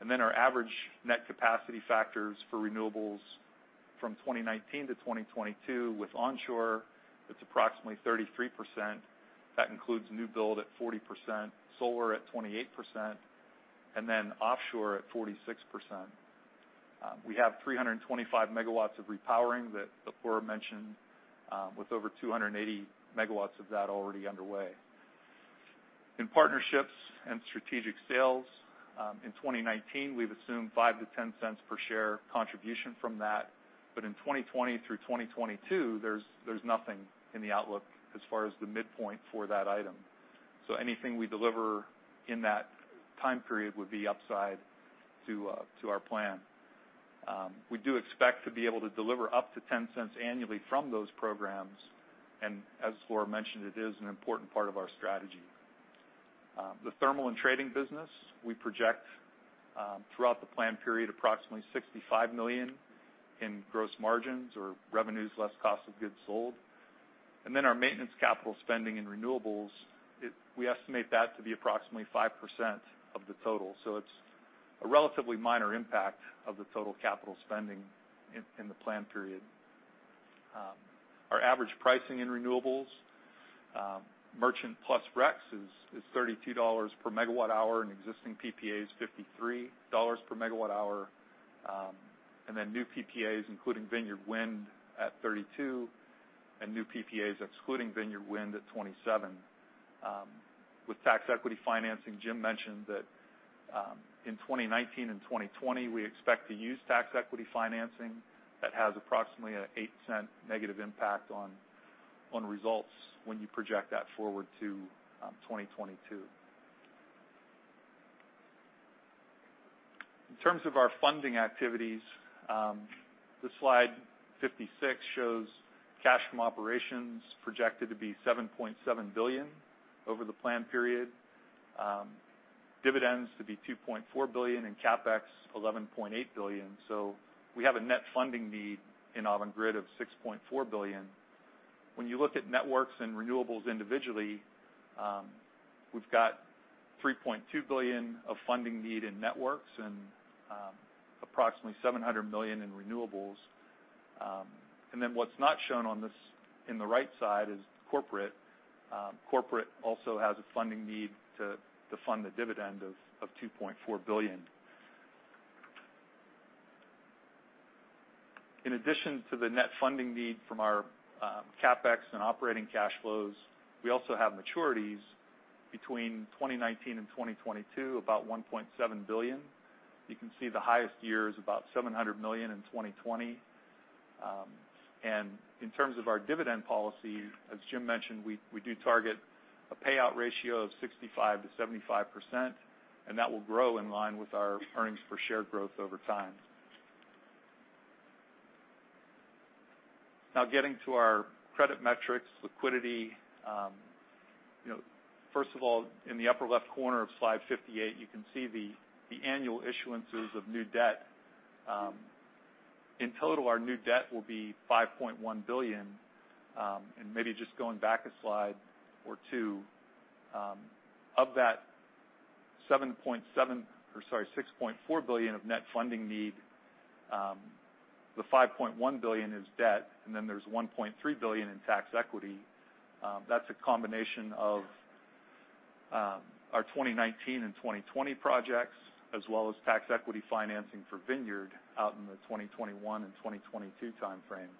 And then our average net capacity factors for renewables from 2019 to 2022 with onshore, it's approximately 33%. That includes new build at 40%, solar at 28%, and then offshore at 46%. We have 325 megawatts of repowering that Laura mentioned, with over 280 megawatts of that already underway. In partnerships and strategic sales, in 2019, we've assumed $0.05-$0.10 per share contribution from that. In 2020 through 2022, there's nothing in the outlook as far as the midpoint for that item. Anything we deliver in that time period would be upside to our plan. We do expect to be able to deliver up to $0.10 annually from those programs. As Laura mentioned, it is an important part of our strategy. The thermal and trading business, we project throughout the plan period, approximately $65 million in gross margins or revenues less cost of goods sold. Our maintenance capital spending in renewables, we estimate that to be approximately 5% of the total. It's a relatively minor impact of the total capital spending in the plan period. Our average pricing in renewables, merchant plus RECs is $32 per megawatt hour, existing PPAs, $53 per megawatt hour. New PPAs, including Vineyard Wind at $32, and new PPAs excluding Vineyard Wind at $27. With tax equity financing, Jim mentioned that in 2019 and 2020, we expect to use tax equity financing that has approximately an $0.08 negative impact on results when you project that forward to 2022. In terms of our funding activities, the slide 56 shows cash from operations projected to be $7.7 billion over the plan period. Dividends to be $2.4 billion, CapEx $11.8 billion. We have a net funding need in Avangrid of $6.4 billion. When you look at Networks and Renewables individually, we've got $3.2 billion of funding need in Networks and approximately $700 million in Renewables. What's not shown in the right side is corporate. Corporate also has a funding need to fund the dividend of $2.4 billion. In addition to the net funding need from our CapEx and operating cash flows, we also have maturities between 2019 and 2022, about $1.7 billion. You can see the highest year is about $700 million in 2020. In terms of our dividend policy, as Jim mentioned, we do target a payout ratio of 65%-75%, and that will grow in line with our earnings per share growth over time. Now getting to our credit metrics, liquidity. First of all, in the upper left corner of slide 58, you can see the annual issuances of new debt. In total, our new debt will be $5.1 billion. Maybe just going back a slide or two, of that $6.4 billion of net funding need, the $5.1 billion is debt, and then there's $1.3 billion in tax equity. That's a combination of our 2019 and 2020 projects, as well as tax equity financing for Vineyard out in the 2021 and 2022 timeframe.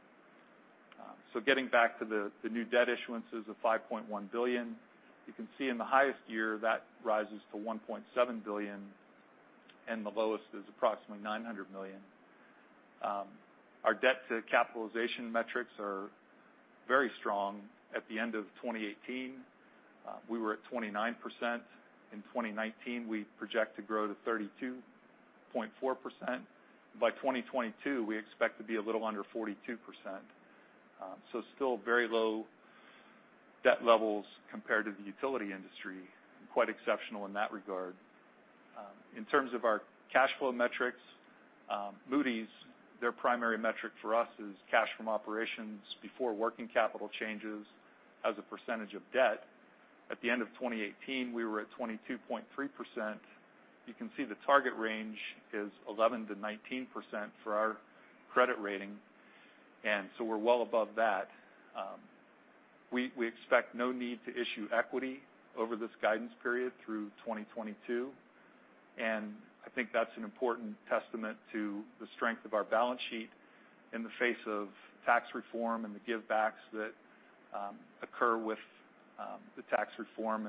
Getting back to the new debt issuances of $5.1 billion, you can see in the highest year, that rises to $1.7 billion, and the lowest is approximately $900 million. Our debt to capitalization metrics are very strong. At the end of 2018, we were at 29%. In 2019, we project to grow to 32.4%. By 2022, we expect to be a little under 42%. Still very low debt levels compared to the utility industry, and quite exceptional in that regard. Our cash flow metrics, Moody's, their primary metric for us is cash from operations before working capital changes as a percentage of debt. At the end of 2018, we were at 22.3%. You can see the target range is 11%-19% for our credit rating. We're well above that. We expect no need to issue equity over this guidance period through 2022. I think that's an important testament to the strength of our balance sheet in the face of tax reform and the give backs that occur with the tax reform.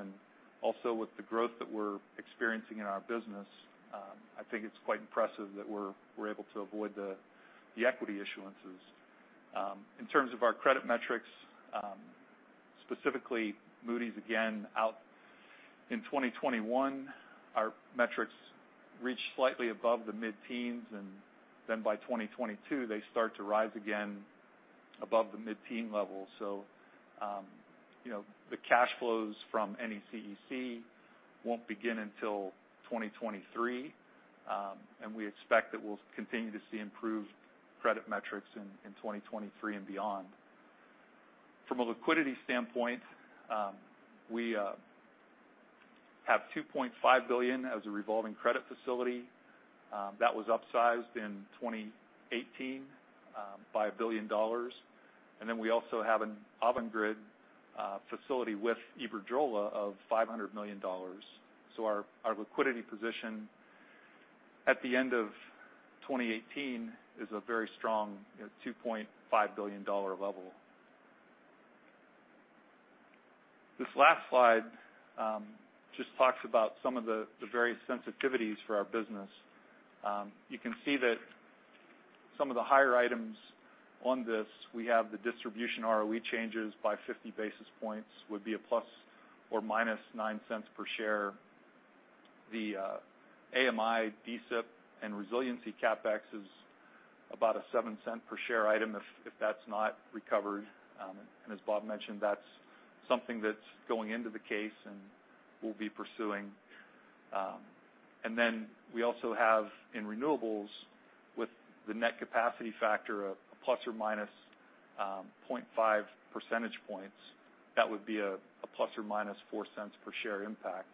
With the growth that we're experiencing in our business, I think it's quite impressive that we're able to avoid the equity issuances. In terms of our credit metrics, specifically Moody's again, out in 2021, our metrics reach slightly above the mid-teens, and then by 2022, they start to rise again above the mid-teen level. The cash flows from NECEC won't begin until 2023. We expect that we'll continue to see improved credit metrics in 2023 and beyond. From a liquidity standpoint, we have $2.5 billion as a revolving credit facility. That was upsized in 2018 by $1 billion. We also have an Avangrid facility with Iberdrola of $500 million. Our liquidity position at the end of 2018 is a very strong $2.5 billion level. This last slide just talks about some of the various sensitivities for our business. You can see that some of the higher items on this, we have the distribution ROE changes by 50 basis points, would be a ±$0.09 per share. The AMI, DSIP, and resiliency CapEx is about a $0.07 per share item if that's not recovered. As Bob mentioned, that's something that's going into the case, and we'll be pursuing. We also have, in renewables, with the net capacity factor of a ±0.5 percentage points, that would be a ±$0.04 per share impact.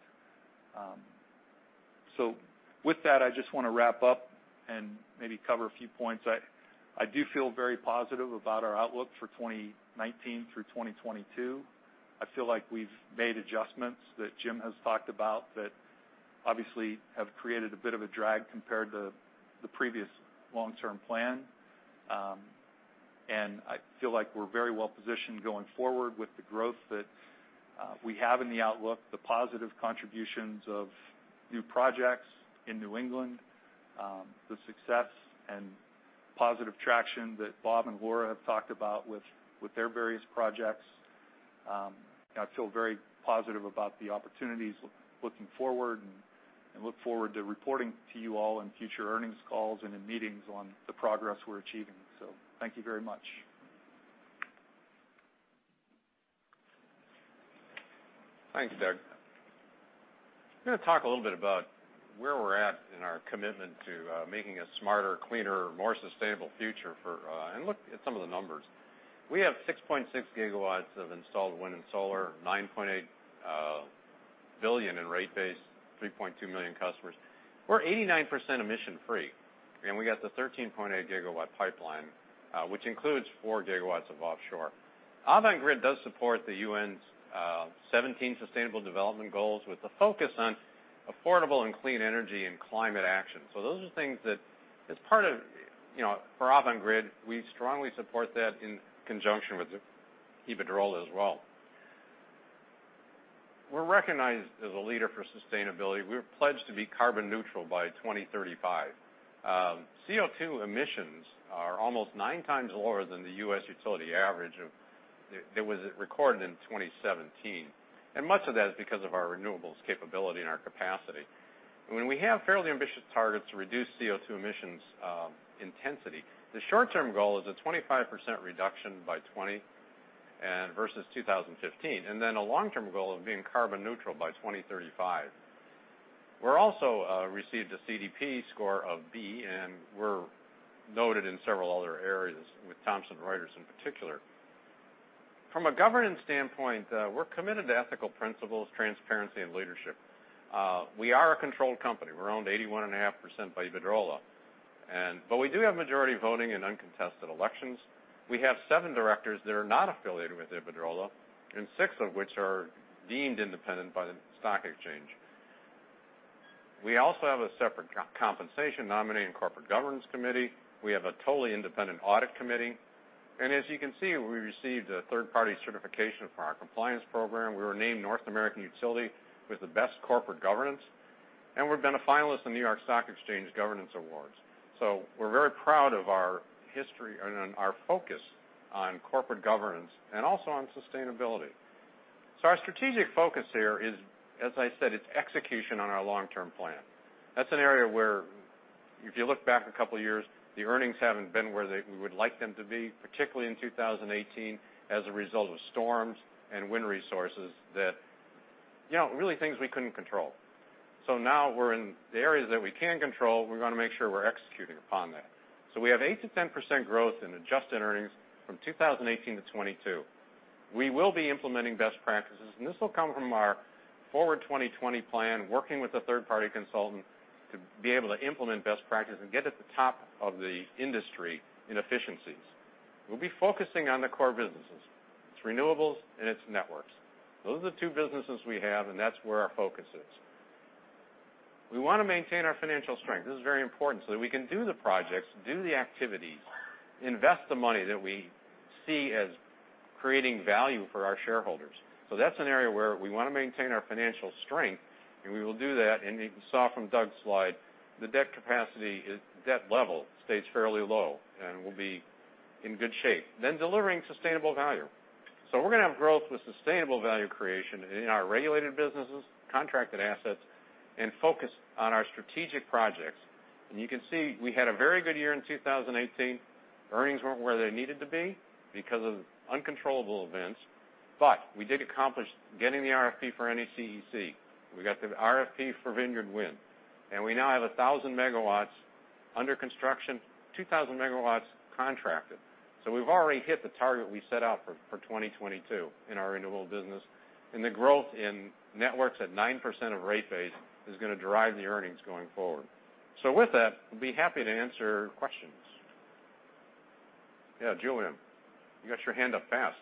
With that, I just want to wrap up and maybe cover a few points. I do feel very positive about our outlook for 2019 through 2022. I feel like we've made adjustments that Jim has talked about that obviously have created a bit of a drag compared to the previous long-term plan. I feel like we're very well-positioned going forward with the growth that we have in the outlook, the positive contributions of new projects in New England, the success and positive traction that Bob and Laura have talked about with their various projects. I feel very positive about the opportunities looking forward. Look forward to reporting to you all in future earnings calls and in meetings on the progress we're achieving. Thank you very much. Thank you, Doug. I'm going to talk a little bit about where we're at in our commitment to making a smarter, cleaner, more sustainable future for, and look at some of the numbers. We have 6.6 gigawatts of installed wind and solar, $9.8 billion in rate base, 3.2 million customers. We're 89% emission-free, we got the 13.8 gigawatt pipeline, which includes 4 gigawatts of offshore. Avangrid does support the UN's 17 sustainable development goals with a focus on affordable and clean energy and climate action. Those are things that, for Avangrid, we strongly support that in conjunction with Iberdrola as well. We're recognized as a leader for sustainability. We've pledged to be carbon neutral by 2035. CO2 emissions are almost nine times lower than the U.S. utility average that was recorded in 2017. Much of that is because of our renewables capability and our capacity. When we have fairly ambitious targets to reduce CO2 emissions intensity, the short-term goal is a 25% reduction by 2020 versus 2015, a long-term goal of being carbon neutral by 2035. We're also received a CDP score of B, we're noted in several other areas with Thomson Reuters in particular. From a governance standpoint, we're committed to ethical principles, transparency, and leadership. We are a controlled company. We're owned 81.5% by Iberdrola. We do have majority voting in uncontested elections. We have seven directors that are not affiliated with Iberdrola, six of which are deemed independent by the stock exchange. We also have a separate compensation nominating corporate governance committee. We have a totally independent audit committee. As you can see, we received a third-party certification for our compliance program. We were named North American Utility with the best corporate governance, we've been a finalist in New York Stock Exchange Governance Awards. We're very proud of our history and our focus on corporate governance and also on sustainability. Our strategic focus here is, as I said, it's execution on our long-term plan. That's an area where if you look back a couple of years, the earnings haven't been where we would like them to be, particularly in 2018, as a result of storms and wind resources that, things we couldn't control. Now we're in the areas that we can control, we're going to make sure we're executing upon that. We have 8%-10% growth in adjusted earnings from 2018 to 2022. We will be implementing best practices, this will come from our Forward 2020 plan, working with a third-party consultant to be able to implement best practices and get at the top of the industry in efficiencies. We'll be focusing on the core businesses. It's renewables and it's networks. Those are the two businesses we have, that's where our focus is. We want to maintain our financial strength, this is very important, that we can do the projects, do the activities, invest the money that we see as creating value for our shareholders. That's an area where we want to maintain our financial strength, we will do that. You can saw from Doug's slide, the debt capacity, debt level stays fairly low, we'll be in good shape. Delivering sustainable value. We're going to have growth with sustainable value creation in our regulated businesses, contracted assets, and focus on our strategic projects. You can see, we had a very good year in 2018. Earnings weren't where they needed to be because of uncontrollable events. We did accomplish getting the RFP for NECEC. We got the RFP for Vineyard Wind, and we now have 1,000 megawatts under construction, 2,000 megawatts contracted. We've already hit the target we set out for 2022 in our renewable business. The growth in networks at 9% of rate base is going to drive the earnings going forward. With that, we'll be happy to answer questions. Yeah, Julien, you got your hand up fast.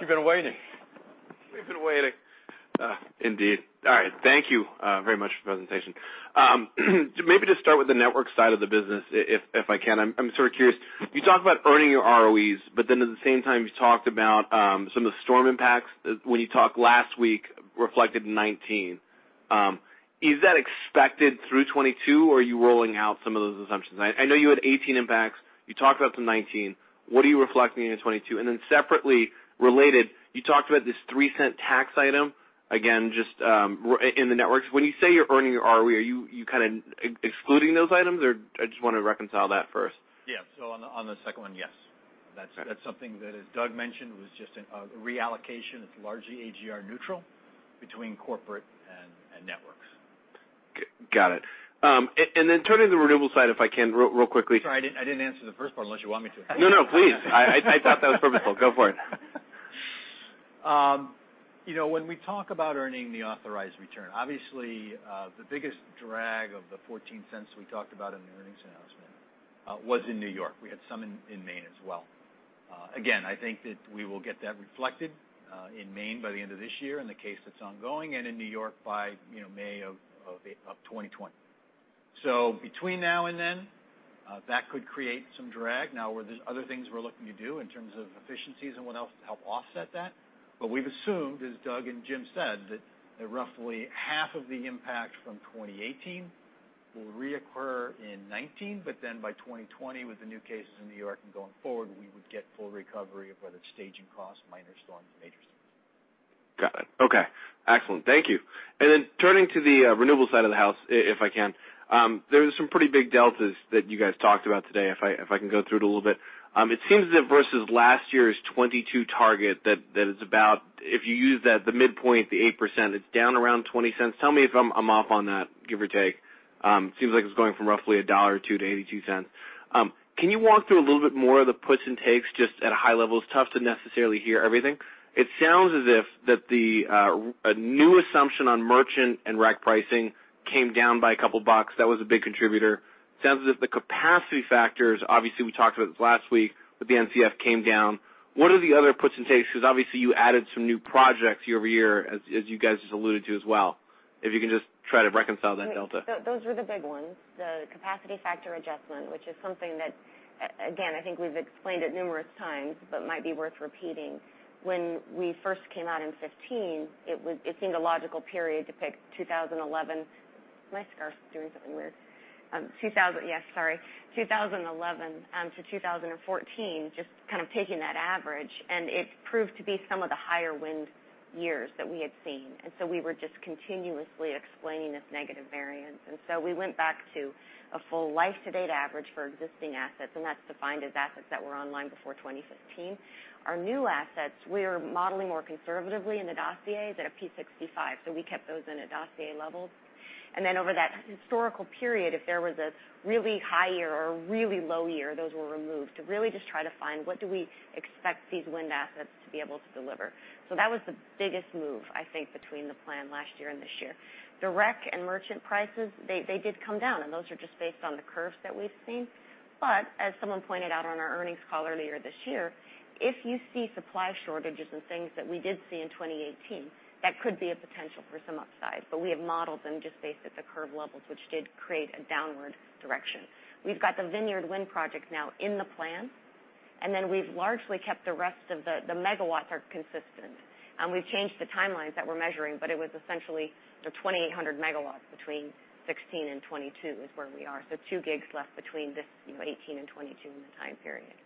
You've been waiting. We've been waiting. Indeed. All right. Thank you very much for the presentation. Maybe just start with the network side of the business, if I can. I'm sort of curious. You talk about earning your ROEs, at the same time, you talked about some of the storm impacts when you talked last week, reflected in 2019. Is that expected through 2022, or are you rolling out some of those assumptions? I know you had 2018 impacts. You talked about the 2019. What are you reflecting into 2022? Separately related, you talked about this $0.03 tax item, again, just in the networks. When you say you're earning your ROE, are you kind of excluding those items, or I just want to reconcile that first. Yeah. On the second one, yes. Okay. That's something that, as Doug mentioned, was just a reallocation. It's largely AGR neutral between corporate and networks. Got it. Turning to the renewable side, if I can, real quickly- Sorry, I didn't answer the first part, unless you want me to. No, please. I thought that was purposeful. Go for it. When we talk about earning the authorized return, obviously, the biggest drag of the $0.14 we talked about in the earnings announcement was in New York. We had some in Maine as well. Again, I think that we will get that reflected in Maine by the end of this year in the case that's ongoing, and in New York by May of 2020. Between now and then, that could create some drag. There's other things we're looking to do in terms of efficiencies and what else to help offset that. We've assumed, as Doug and Jim said, that roughly half of the impact from 2018 will reoccur in 2019, then by 2020, with the new cases in New York and going forward, we would get full recovery of whether it's staging costs, minor storms, major storms. Got it. Okay. Excellent. Thank you. Turning to the renewable side of the house, if I can. There were some pretty big deltas that you guys talked about today, if I can go through it a little bit. It seems that versus last year's 2022 target, that it's about, if you use the midpoint, the 8%, it's down around $0.20. Tell me if I'm off on that, give or take. It seems like it's going from roughly $1.02 to $0.82. Can you walk through a little bit more of the puts and takes just at a high level? It's tough to necessarily hear everything. It sounds as if that the new assumption on merchant and REC pricing came down by $2. That was a big contributor. It sounds as if the capacity factors, obviously, we talked about this last week, with the NCF came down. What are the other puts and takes? Because obviously you added some new projects year-over-year as you guys just alluded to as well. If you can just try to reconcile that delta. Those were the big ones. The capacity factor adjustment, which is something that, again, I think we've explained it numerous times, might be worth repeating. When we first came out in 2015, it seemed a logical period to pick 2011 My scarf is doing something weird. Yes, sorry, 2011 to 2014, just kind of taking that average. It proved to be some of the higher wind years that we had seen. We were just continuously explaining this negative variance. We went back to a full life-to-date average for existing assets, and that's defined as assets that were online before 2015. Our new assets, we are modeling more conservatively in the dossiers at a P65, so we kept those in a dossier level. Over that historical period, if there was a really high year or a really low year, those were removed to really just try to find what do we expect these wind assets to be able to deliver. That was the biggest move, I think, between the plan last year and this year. The REC and merchant prices, they did come down, and those are just based on the curves that we've seen. As someone pointed out on our earnings call earlier this year, if you see supply shortages and things that we did see in 2018, that could be a potential for some upside. We have modeled them just based at the curve levels, which did create a downward direction. We've got the Vineyard Wind project now in the plan, we've largely kept the rest of the megawatts are consistent, we've changed the timelines that we're measuring, it was essentially the 2,800 megawatts between 2016 and 2022 is where we are. 2 gigs left between this 2018 and 2022 in the time period.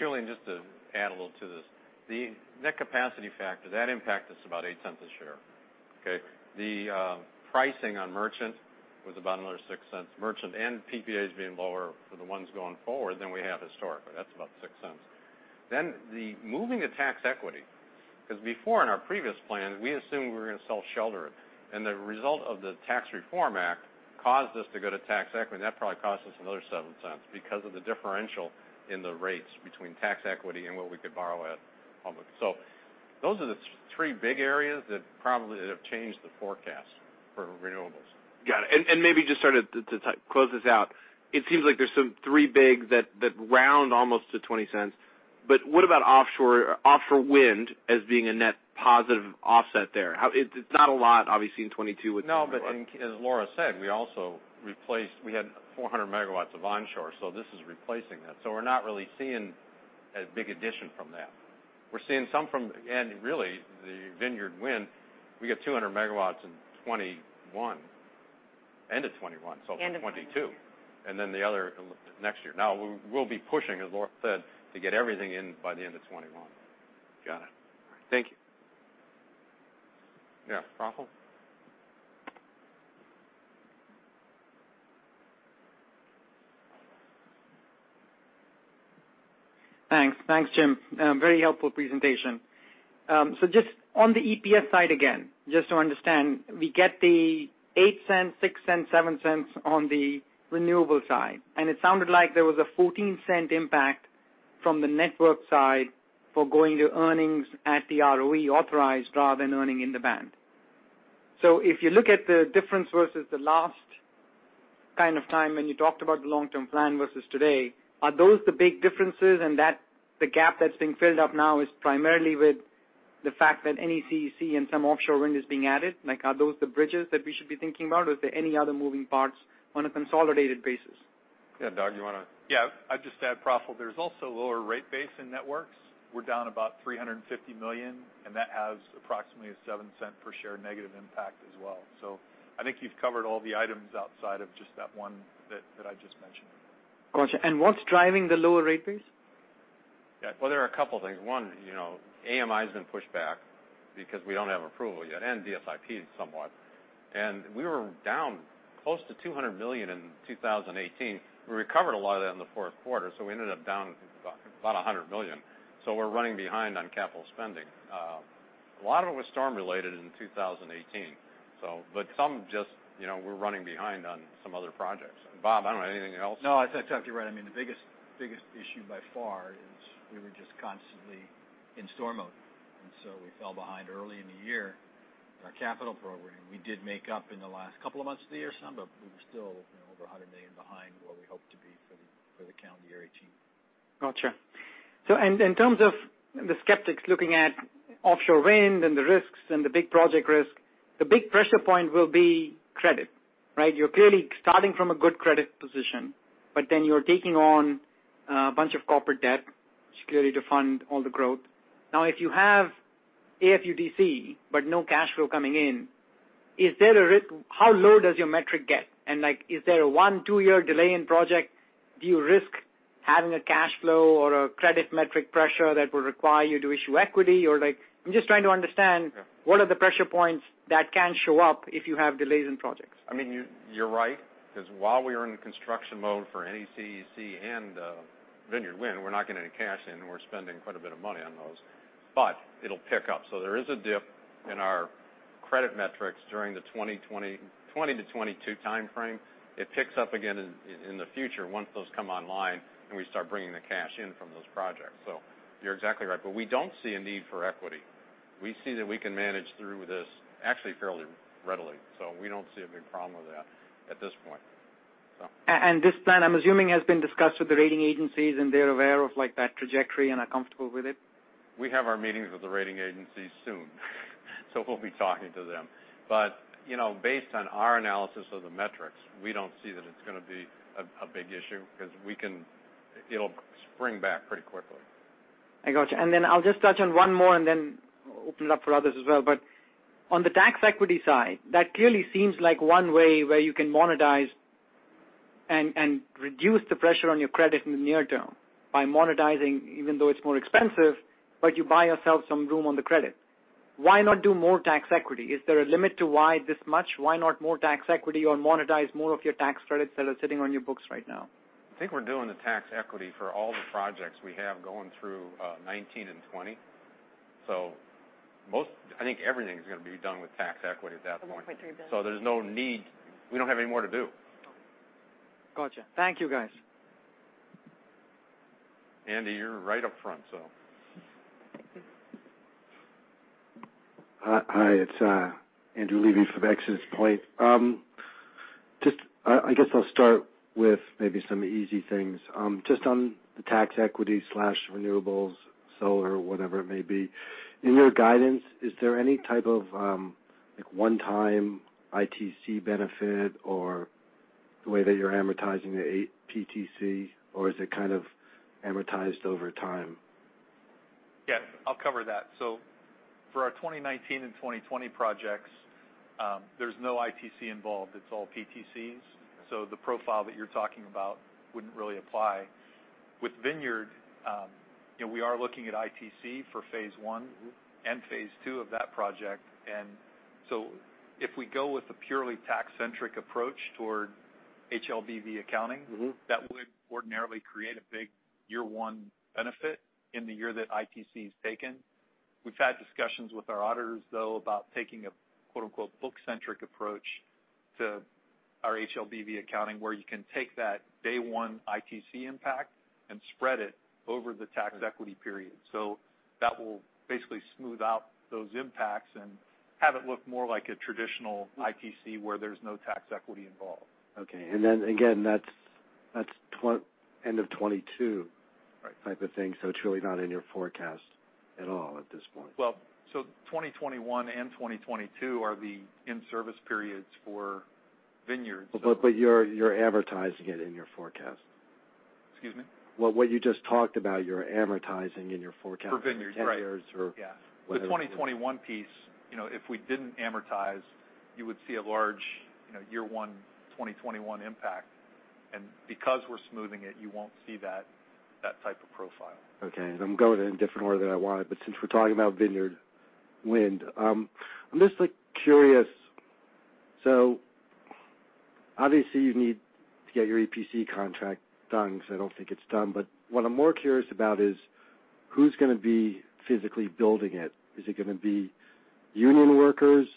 Julien, just to add a little to this. The net capacity factor, that impacted us about $0.08 a share. Okay? The pricing on merchant was about another $0.06. Merchant and PPAs being lower for the ones going forward than we have historically. That's about $0.06. The moving to tax equity, because before in our previous plan, we assumed we were going to sell shelter. The result of the Tax Reform Act caused us to go to tax equity. That probably cost us another $0.07 because of the differential in the rates between tax equity and what we could borrow at public. Those are the three big areas that probably have changed the forecast for renewables. Got it. Maybe just start to close this out. It seems like there's some 3 big that round almost to $0.20. What about offshore wind as being a net positive offset there? It's not a lot, obviously, in 2022 with- No, as Laura said, we also replaced we had 400 megawatts of onshore, this is replacing that. We're not really seeing a big addition from that. We're seeing some from, really, the Vineyard Wind, we get 200 megawatts in 2021. End of 2021. End of 2021, yeah. 2022, then the other next year. We'll be pushing, as Laura said, to get everything in by the end of 2021. Got it. Thank you. Yeah. Praful? Thanks. Thanks, Jim. Very helpful presentation. Just on the EPS side again, just to understand, we get the $0.08, $0.06, $0.07 on the renewable side. It sounded like there was a $0.14 impact from the network side for going to earnings at the ROE authorized rather than earning in the band. If you look at the difference versus the last kind of time when you talked about the long-term plan versus today, are those the big differences and that the gap that's being filled up now is primarily with the fact that NECEC and some offshore wind is being added? Are those the bridges that we should be thinking about? Is there any other moving parts on a consolidated basis? Yeah. Doug, you want to? Yeah. I'd just add, Praful, there's also lower rate base in networks. We're down about $350 million, and that has approximately a $0.07 per share negative impact as well. I think you've covered all the items outside of just that one that I just mentioned. Got you. What's driving the lower rate base? Well, there are a couple things. One, AMI's been pushed back because we don't have approval yet, and DSIP somewhat. We were down close to $200 million in 2018. We recovered a lot of that in the fourth quarter, so we ended up down about $100 million. We're running behind on capital spending. A lot of it was storm-related in 2018. Some just we're running behind on some other projects. Bob, I don't know, anything else? I think you're right. I mean, the biggest issue by far is we were just constantly in storm mode, we fell behind early in the year in our capital program. We did make up in the last couple of months of the year some, we were still over $100 million behind where we hoped to be for the calendar year 2018. Got you. In terms of the skeptics looking at offshore wind and the risks and the big project risk, the big pressure point will be credit. Right? You're clearly starting from a good credit position, you're taking on a bunch of corporate debt, which is clearly to fund all the growth. If you have AFUDC but no cash flow coming in, how low does your metric get? Is there a one, two-year delay in project? Do you risk having a cash flow or a credit metric pressure that would require you to issue equity? I'm just trying to understand- Yeah what are the pressure points that can show up if you have delays in projects? I mean, you're right, because while we are in construction mode for NECEC and Vineyard Wind, we're not getting any cash in. We're spending quite a bit of money on those. It'll pick up. There is a dip in our credit metrics during the 2020-2022 timeframe. It picks up again in the future once those come online and we start bringing the cash in from those projects. You're exactly right. We don't see a need for equity. We see that we can manage through this actually fairly readily. We don't see a big problem with that at this point. This plan, I'm assuming, has been discussed with the rating agencies, and they're aware of that trajectory and are comfortable with it? We have our meetings with the rating agencies soon, so we'll be talking to them. Based on our analysis of the metrics, we don't see that it's going to be a big issue because it'll spring back pretty quickly. I got you. I'll just touch on one more and then open it up for others as well. On the tax equity side, that clearly seems like one way where you can monetize and reduce the pressure on your credit in the near term by monetizing, even though it's more expensive, but you buy yourself some room on the credit. Why not do more tax equity? Is there a limit to why this much? Why not more tax equity or monetize more of your tax credits that are sitting on your books right now? I think we're doing the tax equity for all the projects we have going through 2019 and 2020. Most, I think everything, is going to be done with tax equity at that point. $1.3 billion. There's no need. We don't have any more to do. Got you. Thank you, guys. Andy, you're right up front. Take this. Hi, it's Andrew Levy from ExodusPoint. I guess I'll start with maybe some easy things. Just on the tax equity/renewables, solar, whatever it may be. In your guidance, is there any type of one-time ITC benefit or the way that you're amortizing the PTC or is it kind of amortized over time? Yes, I'll cover that. For our 2019 and 2020 projects, there's no ITC involved. It's all PTCs. The profile that you're talking about wouldn't really apply. With Vineyard, we are looking at ITC for phase one and phase two of that project. If we go with the purely tax-centric approach toward HLBV accounting. that would ordinarily create a big year-one benefit in the year that ITC is taken. We've had discussions with our auditors, though, about taking a "book-centric approach" to our HLBV accounting, where you can take that day one ITC impact and spread it over the tax equity period. That will basically smooth out those impacts and have it look more like a traditional ITC where there's no tax equity involved. Okay. Again, that's end of 2022. Right type of thing. It's really not in your forecast at all at this point. 2021 and 2022 are the in-service periods for Vineyard. You're advertising it in your forecast. Excuse me? What you just talked about, you're advertising in your forecast. For Vineyard, right. For 10 years or whatever. Yeah. The 2021 piece, if we didn't amortize, you would see a large year one 2021 impact. Because we're smoothing it, you won't see that type of profile. Okay. I'm going in a different order than I wanted, since we're talking about Vineyard Wind, I'm just curious. Obviously you need to get your EPC contract done, because I don't think it's done. What I'm more curious about is who's going to be physically building it? Is it going to be union workers?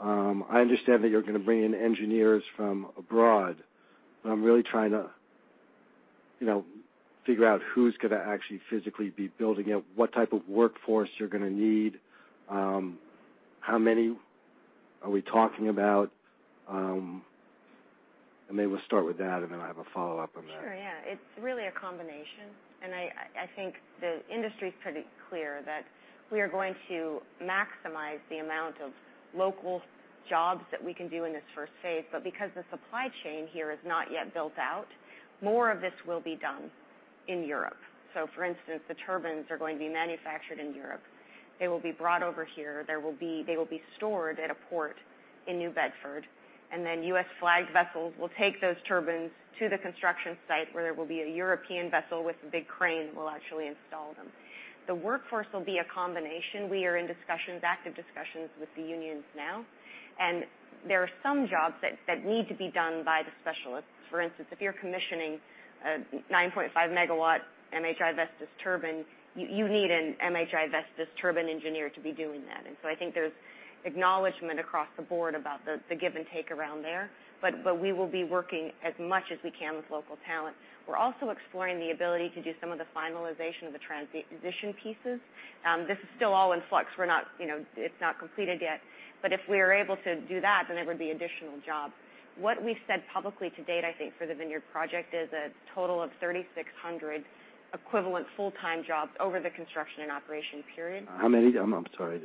I understand that you're going to bring in engineers from abroad, but I'm really trying to figure out who's going to actually physically be building it, what type of workforce you're going to need, how many are we talking about? Maybe we'll start with that, and then I have a follow-up on that. Sure, yeah. It's really a combination. I think the industry's pretty clear that we are going to maximize the amount of local jobs that we can do in this first phase. Because the supply chain here is not yet built out, more of this will be done in Europe. For instance, the turbines are going to be manufactured in Europe. They will be brought over here. They will be stored at a port in New Bedford, then U.S. flagged vessels will take those turbines to the construction site where there will be a European vessel with a big crane will actually install them. The workforce will be a combination. We are in discussions, active discussions, with the unions now, there are some jobs that need to be done by the specialists. For instance, if you're commissioning a 9.5 MW MHI Vestas turbine, you need an MHI Vestas turbine engineer to be doing that. I think there's acknowledgment across the board about the give and take around there. We will be working as much as we can with local talent. We're also exploring the ability to do some of the finalization of the transition pieces. This is still all in flux. It's not completed yet. If we are able to do that, then there would be additional jobs. What we've said publicly to date, I think, for the Vineyard project is a total of 3,600 equivalent full-time jobs over the construction and operation period. How many? I'm sorry.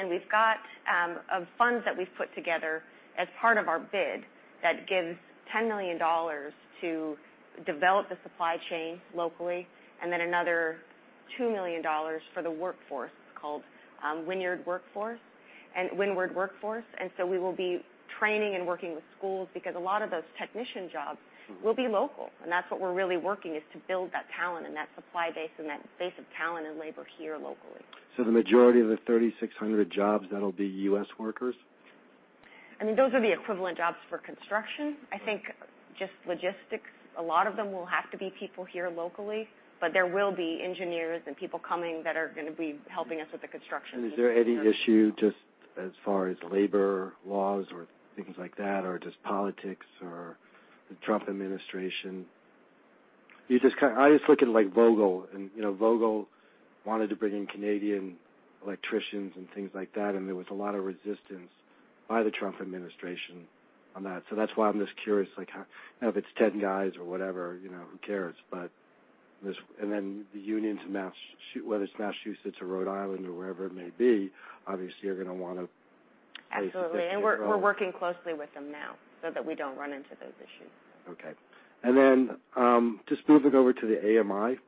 3,600. We've got funds that we've put together as part of our bid that gives $10 million to develop the supply chain locally, then another $2 million for the workforce called Windward Workforce. We will be training and working with schools because a lot of those technician jobs will be local. That's what we're really working is to build that talent and that supply base and that base of talent and labor here locally. The majority of the 3,600 jobs, that'll be U.S. workers? Those are the equivalent jobs for construction. I think just logistics. A lot of them will have to be people here locally, there will be engineers and people coming that are going to be helping us with the construction. Is there any issue just as far as labor laws or things like that, or just politics or the Trump administration? I always look at like Vogtle wanted to bring in Canadian electricians and things like that, there was a lot of resistance by the Trump administration on that. That's why I'm just curious, if it's 10 guys or whatever, who cares? The unions, whether it's Massachusetts or Rhode Island or wherever it may be, obviously are going to want to- Absolutely. We're working closely with them now so that we don't run into those issues. Okay. Just moving over to the AMI.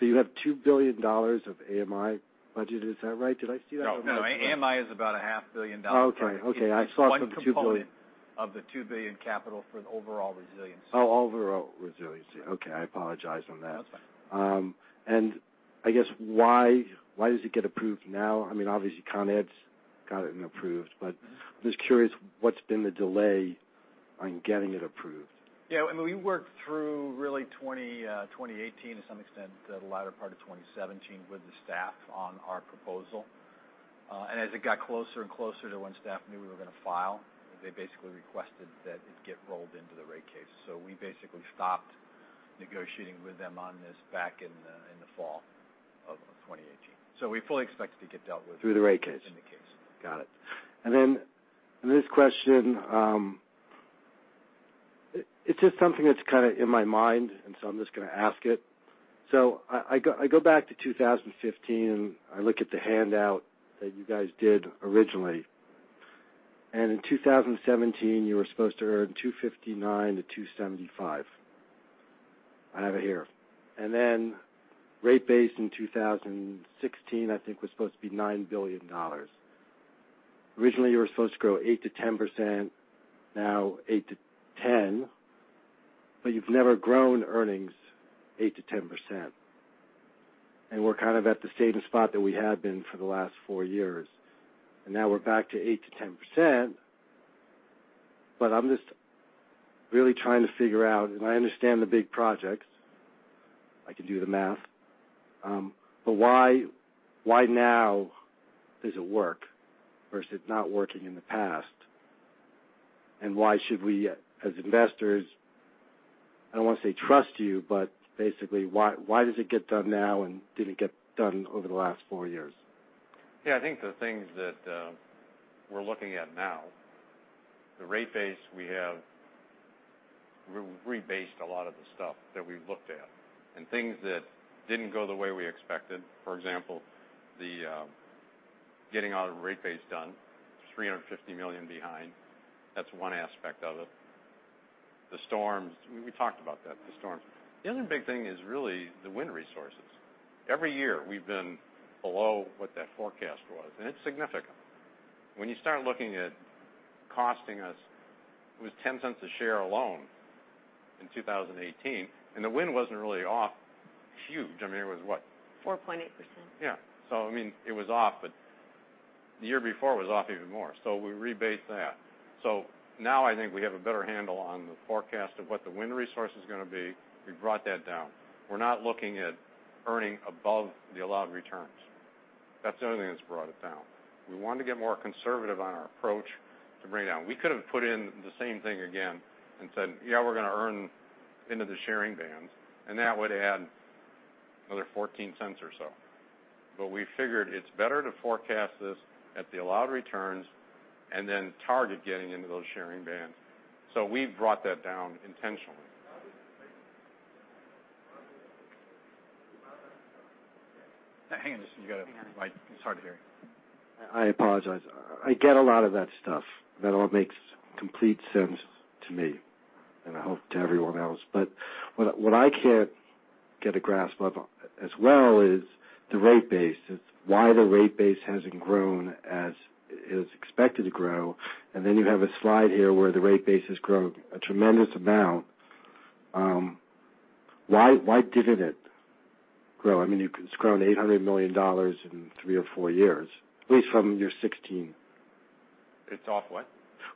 You have $2 billion of AMI budget. Is that right? Did I see that right? No, AMI is about a half billion dollar. Okay. I saw. It's one component of the $2 billion capital for the overall resiliency. Oh, overall resiliency. Okay, I apologize on that. That's fine. I guess why does it get approved now? Obviously Consolidated Edison's got it and approved. I'm just curious what's been the delay on getting it approved. We worked through really 2018, to some extent, the latter part of 2017 with the staff on our proposal. As it got closer and closer to when staff knew we were going to file, they basically requested that it get rolled into the rate case. We basically stopped negotiating with them on this back in the fall of 2018. We fully expect it to get dealt with- Through the rate case in the case. Got it. This question, it's just something that's kind of in my mind, I'm just going to ask it. I go back to 2015, I look at the handout that you guys did originally. In 2017, you were supposed to earn $2.59-$2.75. I have it here. Then rate base in 2016, I think was supposed to be $9 billion. Originally, you were supposed to grow 8%-10%, now 8%-10%, but you've never grown earnings 8%-10%. We're kind of at the same spot that we have been for the last four years. Now we're back to 8%-10%, I'm just really trying to figure out, and I understand the big projects. I could do the math. Why now does it work versus not working in the past? Why should we, as investors, I don't want to say trust you, basically, why does it get done now and didn't get done over the last four years? I think the things that we're looking at now, the rate base we have, we rebased a lot of the stuff that we've looked at. Things that didn't go the way we expected, for example, the getting all the rate base done, $350 million behind. That's one aspect of it. The storms, we talked about that, the storms. The other big thing is really the wind resources. Every year we've been below what that forecast was, and it's significant. When you start looking at costing us, it was $0.10 a share alone in 2018, and the wind wasn't really off huge. I mean, it was what? 4.8%. It was off, but the year before it was off even more. We rebased that. Now I think we have a better handle on the forecast of what the wind resource is going to be. We brought that down. We're not looking at earning above the allowed returns. That's the only thing that's brought it down. We wanted to get more conservative on our approach to bring it down. We could have put in the same thing again and said, "Yeah, we're going to earn into the sharing bands," and that would add another $0.14 or so. We figured it's better to forecast this at the allowed returns and then target getting into those sharing bands. We've brought that down intentionally. Hang on just a second. You got it right. It's hard to hear. I apologize. I get a lot of that stuff. That all makes complete sense to me, and I hope to everyone else. What I can't get a grasp of as well is the rate base. It's why the rate base hasn't grown as it is expected to grow, and then you have a slide here where the rate base has grown a tremendous amount. Why didn't it grow? It's grown $800 million in 3 or 4 years, at least from year 2016. It's off what?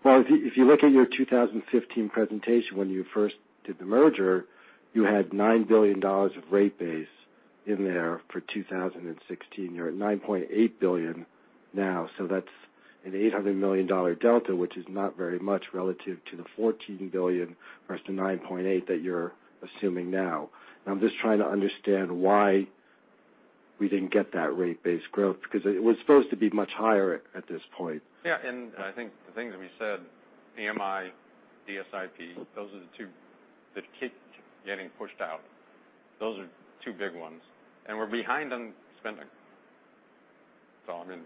Well, if you look at your 2015 presentation when you first did the merger, you had $9 billion of rate base in there for 2016. You're at $9.8 billion now, so that's an $800 million delta, which is not very much relative to the $14 billion versus the $9.8 that you're assuming now. I'm just trying to understand why we didn't get that rate base growth, because it was supposed to be much higher at this point. Yeah, I think the things that we said, AMI, DSIP, those are the two that keep getting pushed out. Those are two big ones. We're behind on spending. That's all. I mean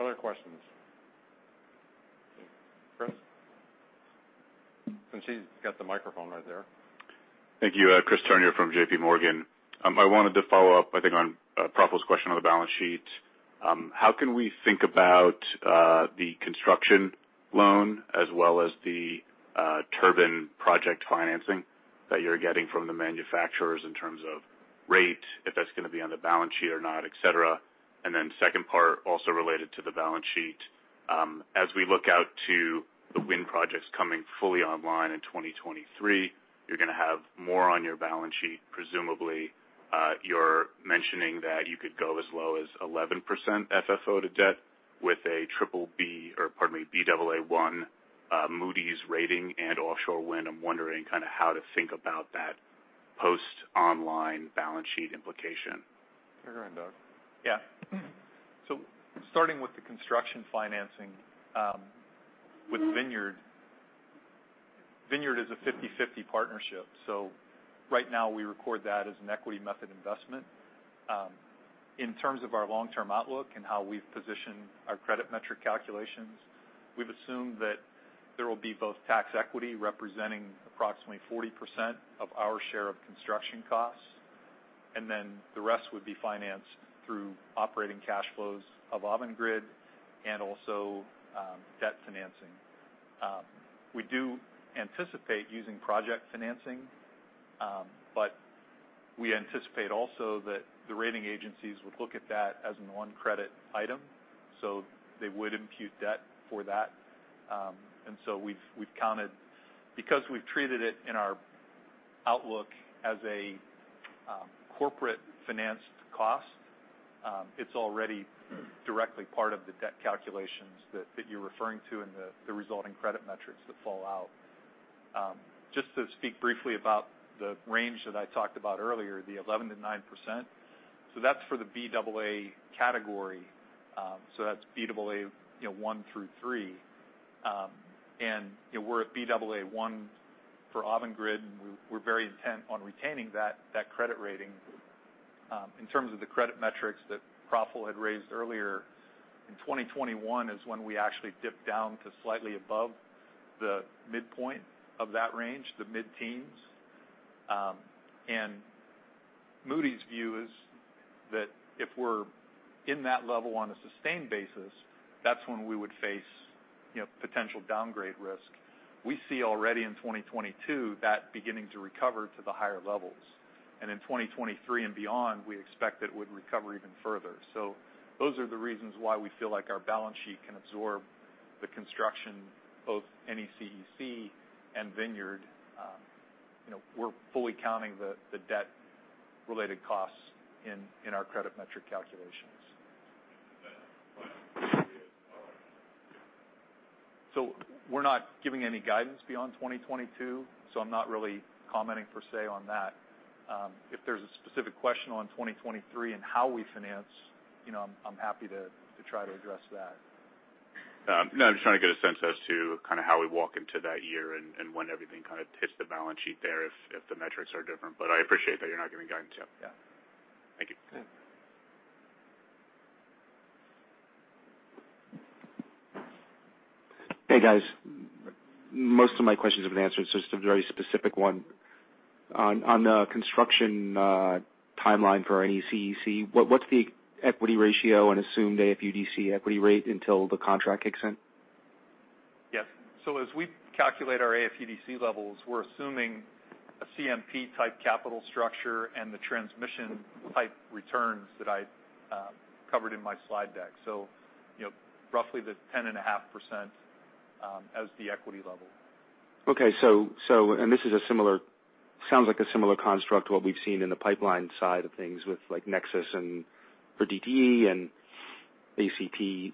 Other questions? Chris? Since he's got the microphone right there. Thank you. Chris Turner from JP Morgan. I wanted to follow up, I think, on Praful's question on the balance sheet. How can we think about the construction loan as well as the turbine project financing that you're getting from the manufacturers in terms of rate, if that's going to be on the balance sheet or not, et cetera. Second part, also related to the balance sheet. As we look out to the wind projects coming fully online in 2023, you're going to have more on your balance sheet, presumably. You're mentioning that you could go as low as 11% FFO to debt with a BBB+, or pardon me, Baa1 Moody's rating and offshore wind. I'm wondering how to think about that post online balance sheet implication. Go ahead, Doug. Starting with the construction financing with Vineyard. Vineyard is a 50/50 partnership, right now we record that as an equity method investment. In terms of our long-term outlook and how we've positioned our credit metric calculations, we've assumed that there will be both tax equity representing approximately 40% of our share of construction costs, then the rest would be financed through operating cash flows of Avangrid and also debt financing. We do anticipate using project financing, but we anticipate also that the rating agencies would look at that as an one credit item, they would impute debt for that. Because we've treated it in our outlook as a corporate financed cost, it's already directly part of the debt calculations that you're referring to and the resulting credit metrics that fall out. Just to speak briefly about the range that I talked about earlier, the 11%-9%, that's for the Baa category. That's Baa1 through 3. We're at Baa1 for Avangrid, we're very intent on retaining that credit rating. In terms of the credit metrics that Praful had raised earlier, in 2021 is when we actually dip down to slightly above the midpoint of that range, the mid-teens. Moody's view is that if we're in that level on a sustained basis, that's when we would face potential downgrade risk. We see already in 2022 that beginning to recover to the higher levels. In 2023 and beyond, we expect it would recover even further. Those are the reasons why we feel like our balance sheet can absorb the construction, both NECEC and Vineyard. We're fully counting the debt-related costs in our credit metric calculations. We're not giving any guidance beyond 2022, I'm not really commenting per se on that. If there's a specific question on 2023 and how we finance, I'm happy to try to address that. I'm just trying to get a sense as to how we walk into that year and when everything hits the balance sheet there, if the metrics are different. I appreciate that you're not giving guidance yet. Yeah. Thank you. Good. Hey, guys. Most of my questions have been answered, so just a very specific one. On the construction timeline for NECEC, what's the equity ratio and assumed AFUDC equity rate until the contract kicks in? Yes. As we calculate our AFUDC levels, we're assuming a CMP-type capital structure and the transmission-type returns that I covered in my slide deck. Roughly the 10.5% as the equity level. Okay. This sounds like a similar construct to what we've seen in the pipeline side of things with NEXUS and for DTE and ACP.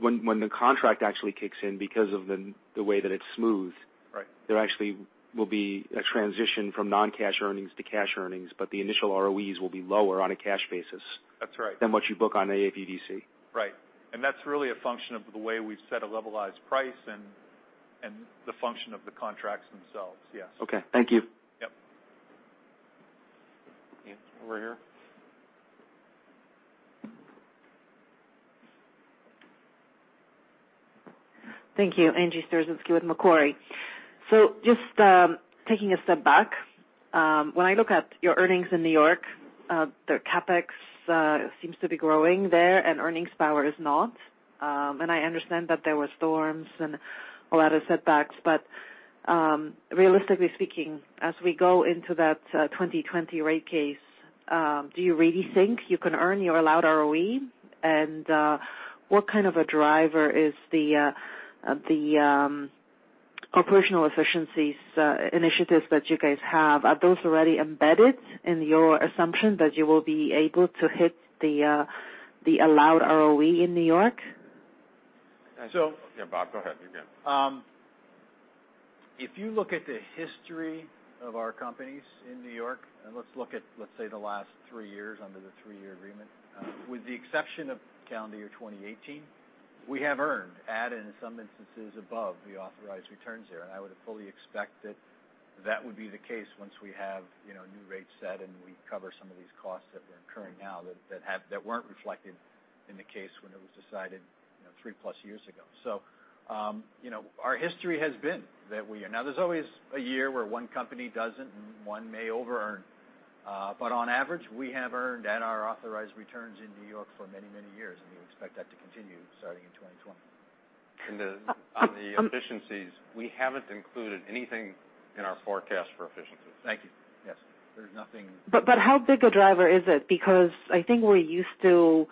When the contract actually kicks in because of the way that it's smooth- Right there actually will be a transition from non-cash earnings to cash earnings, but the initial ROEs will be lower on a cash basis- That's right than what you book on AFUDC. That's really a function of the way we've set a levelized price and the function of the contracts themselves. Yes. Okay. Thank you. Yep. Over here. Thank you Angie Storozynski with Macquarie. Just taking a step back, when I look at your earnings in New York, the CapEx seems to be growing there and earnings power is not. I understand that there were storms and a lot of setbacks, but realistically speaking, as we go into that 2020 rate case, do you really think you can earn your allowed ROE? What kind of a driver is the operational efficiencies initiatives that you guys have? Are those already embedded in your assumption that you will be able to hit the allowed ROE in New York? So- Yeah, Bob, go ahead. You're good. If you look at the history of our companies in New York, let's look at, let's say, the last 3 years under the 3-year agreement. With the exception of calendar year 2018, we have earned, at and in some instances above, the authorized returns there, I would fully expect that that would be the case once we have new rates set and we cover some of these costs that we're incurring now that weren't reflected in the case when it was decided 3-plus years ago. Our history has been that we are. Now there's always a year where one company doesn't, and one may over-earn. On average, we have earned at our authorized returns in New York for many, many years, and we expect that to continue starting in 2020. On the efficiencies, we haven't included anything in our forecast for efficiencies. Thank you. Yes. How big a driver is it? I think we're used to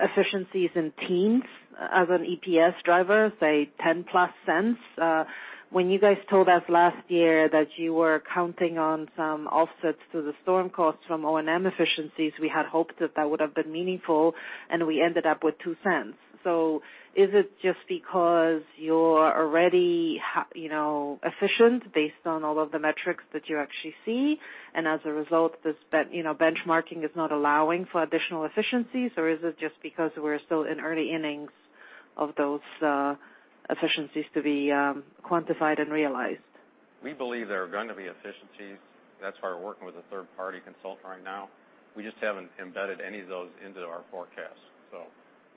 efficiencies in teams as an EPS driver, say $0.10-plus. When you guys told us last year that you were counting on some offsets to the storm costs from O&M efficiencies, we had hoped that that would have been meaningful, and we ended up with $0.02. Is it just because you're already efficient based on all of the metrics that you actually see, and as a result, this benchmarking is not allowing for additional efficiencies? Or is it just because we're still in early innings of those efficiencies to be quantified and realized? We believe there are going to be efficiencies. That's why we're working with a third-party consultant right now. We just haven't embedded any of those into our forecast.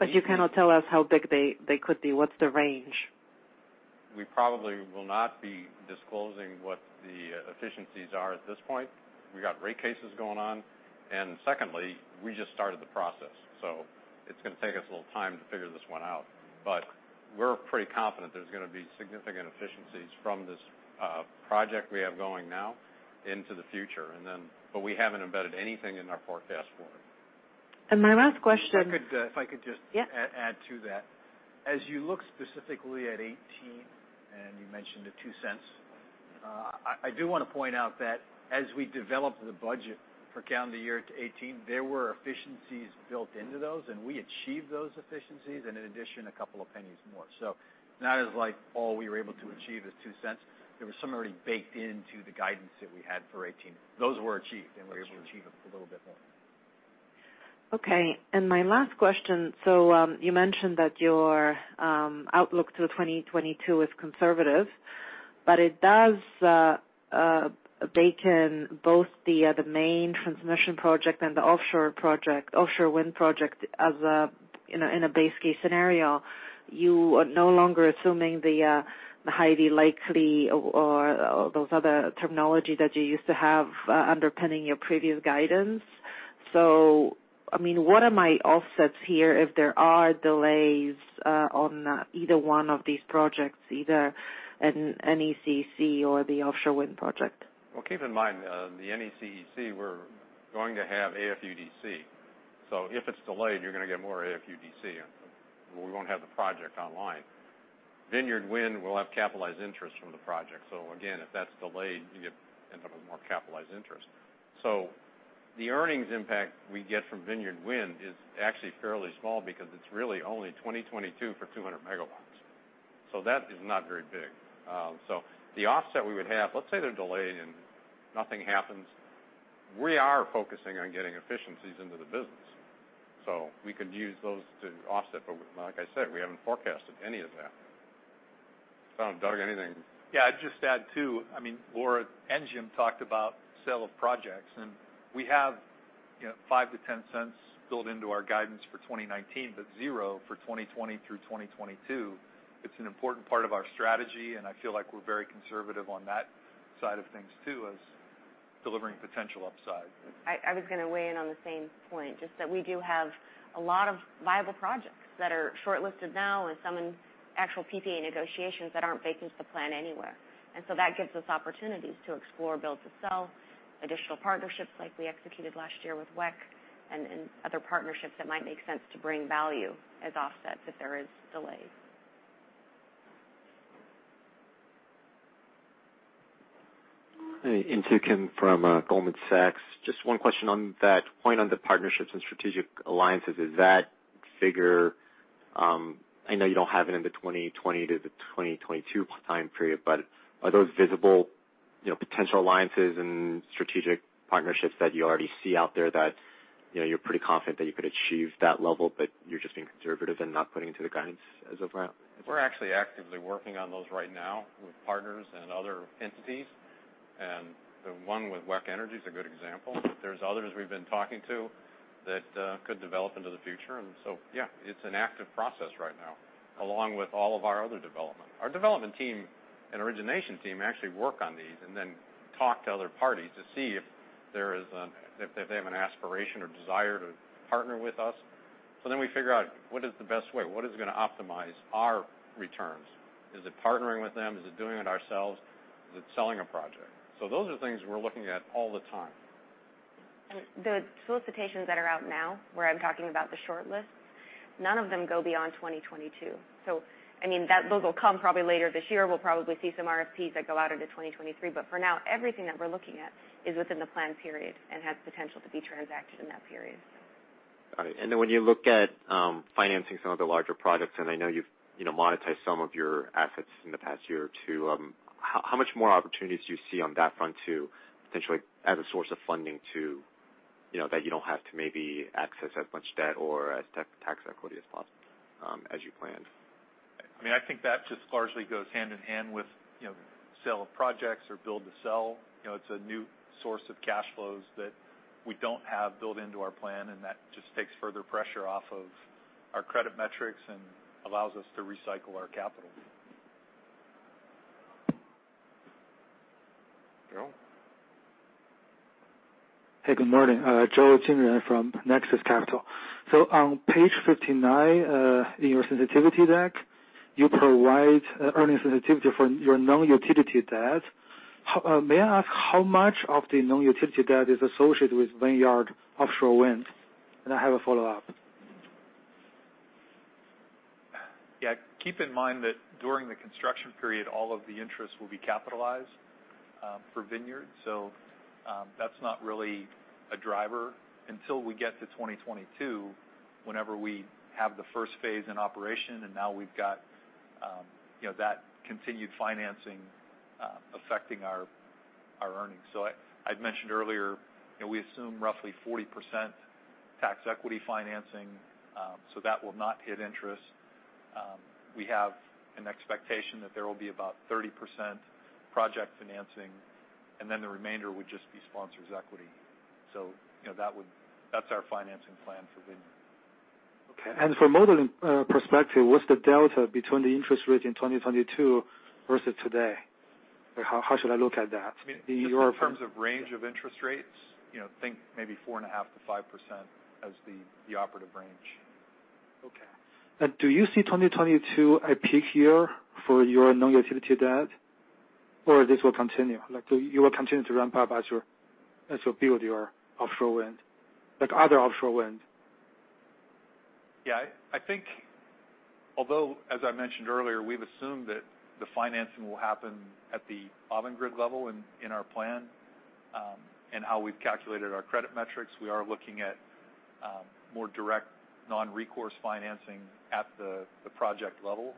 You cannot tell us how big they could be. What's the range? We probably will not be disclosing what the efficiencies are at this point. We got rate cases going on. Secondly, we just started the process, so it's going to take us a little time to figure this one out. We're pretty confident there's going to be significant efficiencies from this project we have going now into the future. We haven't embedded anything in our forecast for it. My last question. If I could just. Yeah add to that. As you look specifically at 2018, you mentioned the $0.02. I do want to point out that as we developed the budget for calendar year 2018, there were efficiencies built into those, and we achieved those efficiencies and in addition, a couple of $0.01 more. Not as like all we were able to achieve is $0.02. There was some already baked into the guidance that we had for 2018. Those were achieved, and we were able to achieve them a little bit more. Okay, my last question, you mentioned that your outlook through 2022 is conservative, but it does bake in both the Maine transmission project and the offshore wind project in a base case scenario. You are no longer assuming the highly likely or those other terminology that you used to have underpinning your previous guidance. What are my offsets here if there are delays on either one of these projects, either in NECEC or the offshore wind project? Keep in mind, the NECEC, we're going to have AFUDC. If it's delayed, you're going to get more AFUDC, and we won't have the project online. Vineyard Wind will have capitalized interest from the project. Again, if that's delayed, you end up with more capitalized interest. The earnings impact we get from Vineyard Wind is actually fairly small because it's really only 2022 for 200 megawatts. That is not very big. The offset we would have, let's say they're delayed and nothing happens. We are focusing on getting efficiencies into the business. We could use those to offset, but like I said, we haven't forecasted any of that. I don't know, Doug, anything? I'd just add, too, Laura Beane talked about sale of projects, and we have $0.05-$0.10 built into our guidance for 2019, but 0 for 2020 through 2022. It's an important part of our strategy, and I feel like we're very conservative on that side of things, too, as delivering potential upside. I was going to weigh in on the same point, just that we do have a lot of viable projects that are shortlisted now and some in actual PPA negotiations that aren't baked into the plan anywhere. That gives us opportunities to explore build to sell, additional partnerships like we executed last year with WEC, and other partnerships that might make sense to bring value as offsets if there is delays. Hi, Insoo Kim from Goldman Sachs. One question on that point on the partnerships and strategic alliances. Is that figure, I know you don't have it in the 2020 to the 2022 time period, but are those visible potential alliances and strategic partnerships that you already see out there that you're pretty confident that you could achieve that level, but you're just being conservative and not putting into the guidance as of now? We're actually actively working on those right now with partners and other entities. The one with WEC Energy is a good example. There's others we've been talking to that could develop into the future. Yeah, it's an active process right now, along with all of our other development. Our development team and origination team actually work on these and then talk to other parties to see if they have an aspiration or desire to partner with us. We figure out what is the best way? What is going to optimize our returns? Is it partnering with them? Is it doing it ourselves? Is it selling a project? Those are things we're looking at all the time. The solicitations that are out now, where I'm talking about the short list, none of them go beyond 2022. Those will come probably later this year. We'll probably see some RFPs that go out into 2023. For now, everything that we're looking at is within the planned period and has potential to be transacted in that period. Got it. When you look at financing some of the larger projects, and I know you've monetized some of your assets in the past year or two, how much more opportunities do you see on that front to potentially as a source of funding that you don't have to maybe access as much debt or as tax equity as possible as you planned? I think that just largely goes hand in hand with sale of projects or build to sell. It's a new source of cash flows that we don't have built into our plan, and that just takes further pressure off of our credit metrics and allows us to recycle our capital. Joe? Hey, good morning. Joe Jingyan from Nexus Capital. On page 59, in your sensitivity deck, you provide earnings sensitivity for your non-utility debt. May I ask how much of the non-utility debt is associated with Vineyard Offshore Wind? I have a follow-up. Yeah. Keep in mind that during the construction period, all of the interest will be capitalized. For Vineyard. That's not really a driver until we get to 2022, whenever we have the first phase in operation, and now we've got that continued financing affecting our earnings. I'd mentioned earlier, we assume roughly 40% tax equity financing, so that will not hit interest. We have an expectation that there will be about 30% project financing, and then the remainder would just be sponsor's equity. That's our financing plan for Vineyard. Okay. From modeling perspective, what's the delta between the interest rate in 2022 versus today? How should I look at that in Europe? Just in terms of range of interest rates, think maybe 4.5%-5% as the operative range. Okay. Do you see 2022 a peak year for your non-utility debt, or this will continue? You will continue to ramp up as you build your offshore wind, like other offshore wind? Yeah, I think although, as I mentioned earlier, we've assumed that the financing will happen at the Avangrid level in our plan, and how we've calculated our credit metrics, we are looking at more direct non-recourse financing at the project level.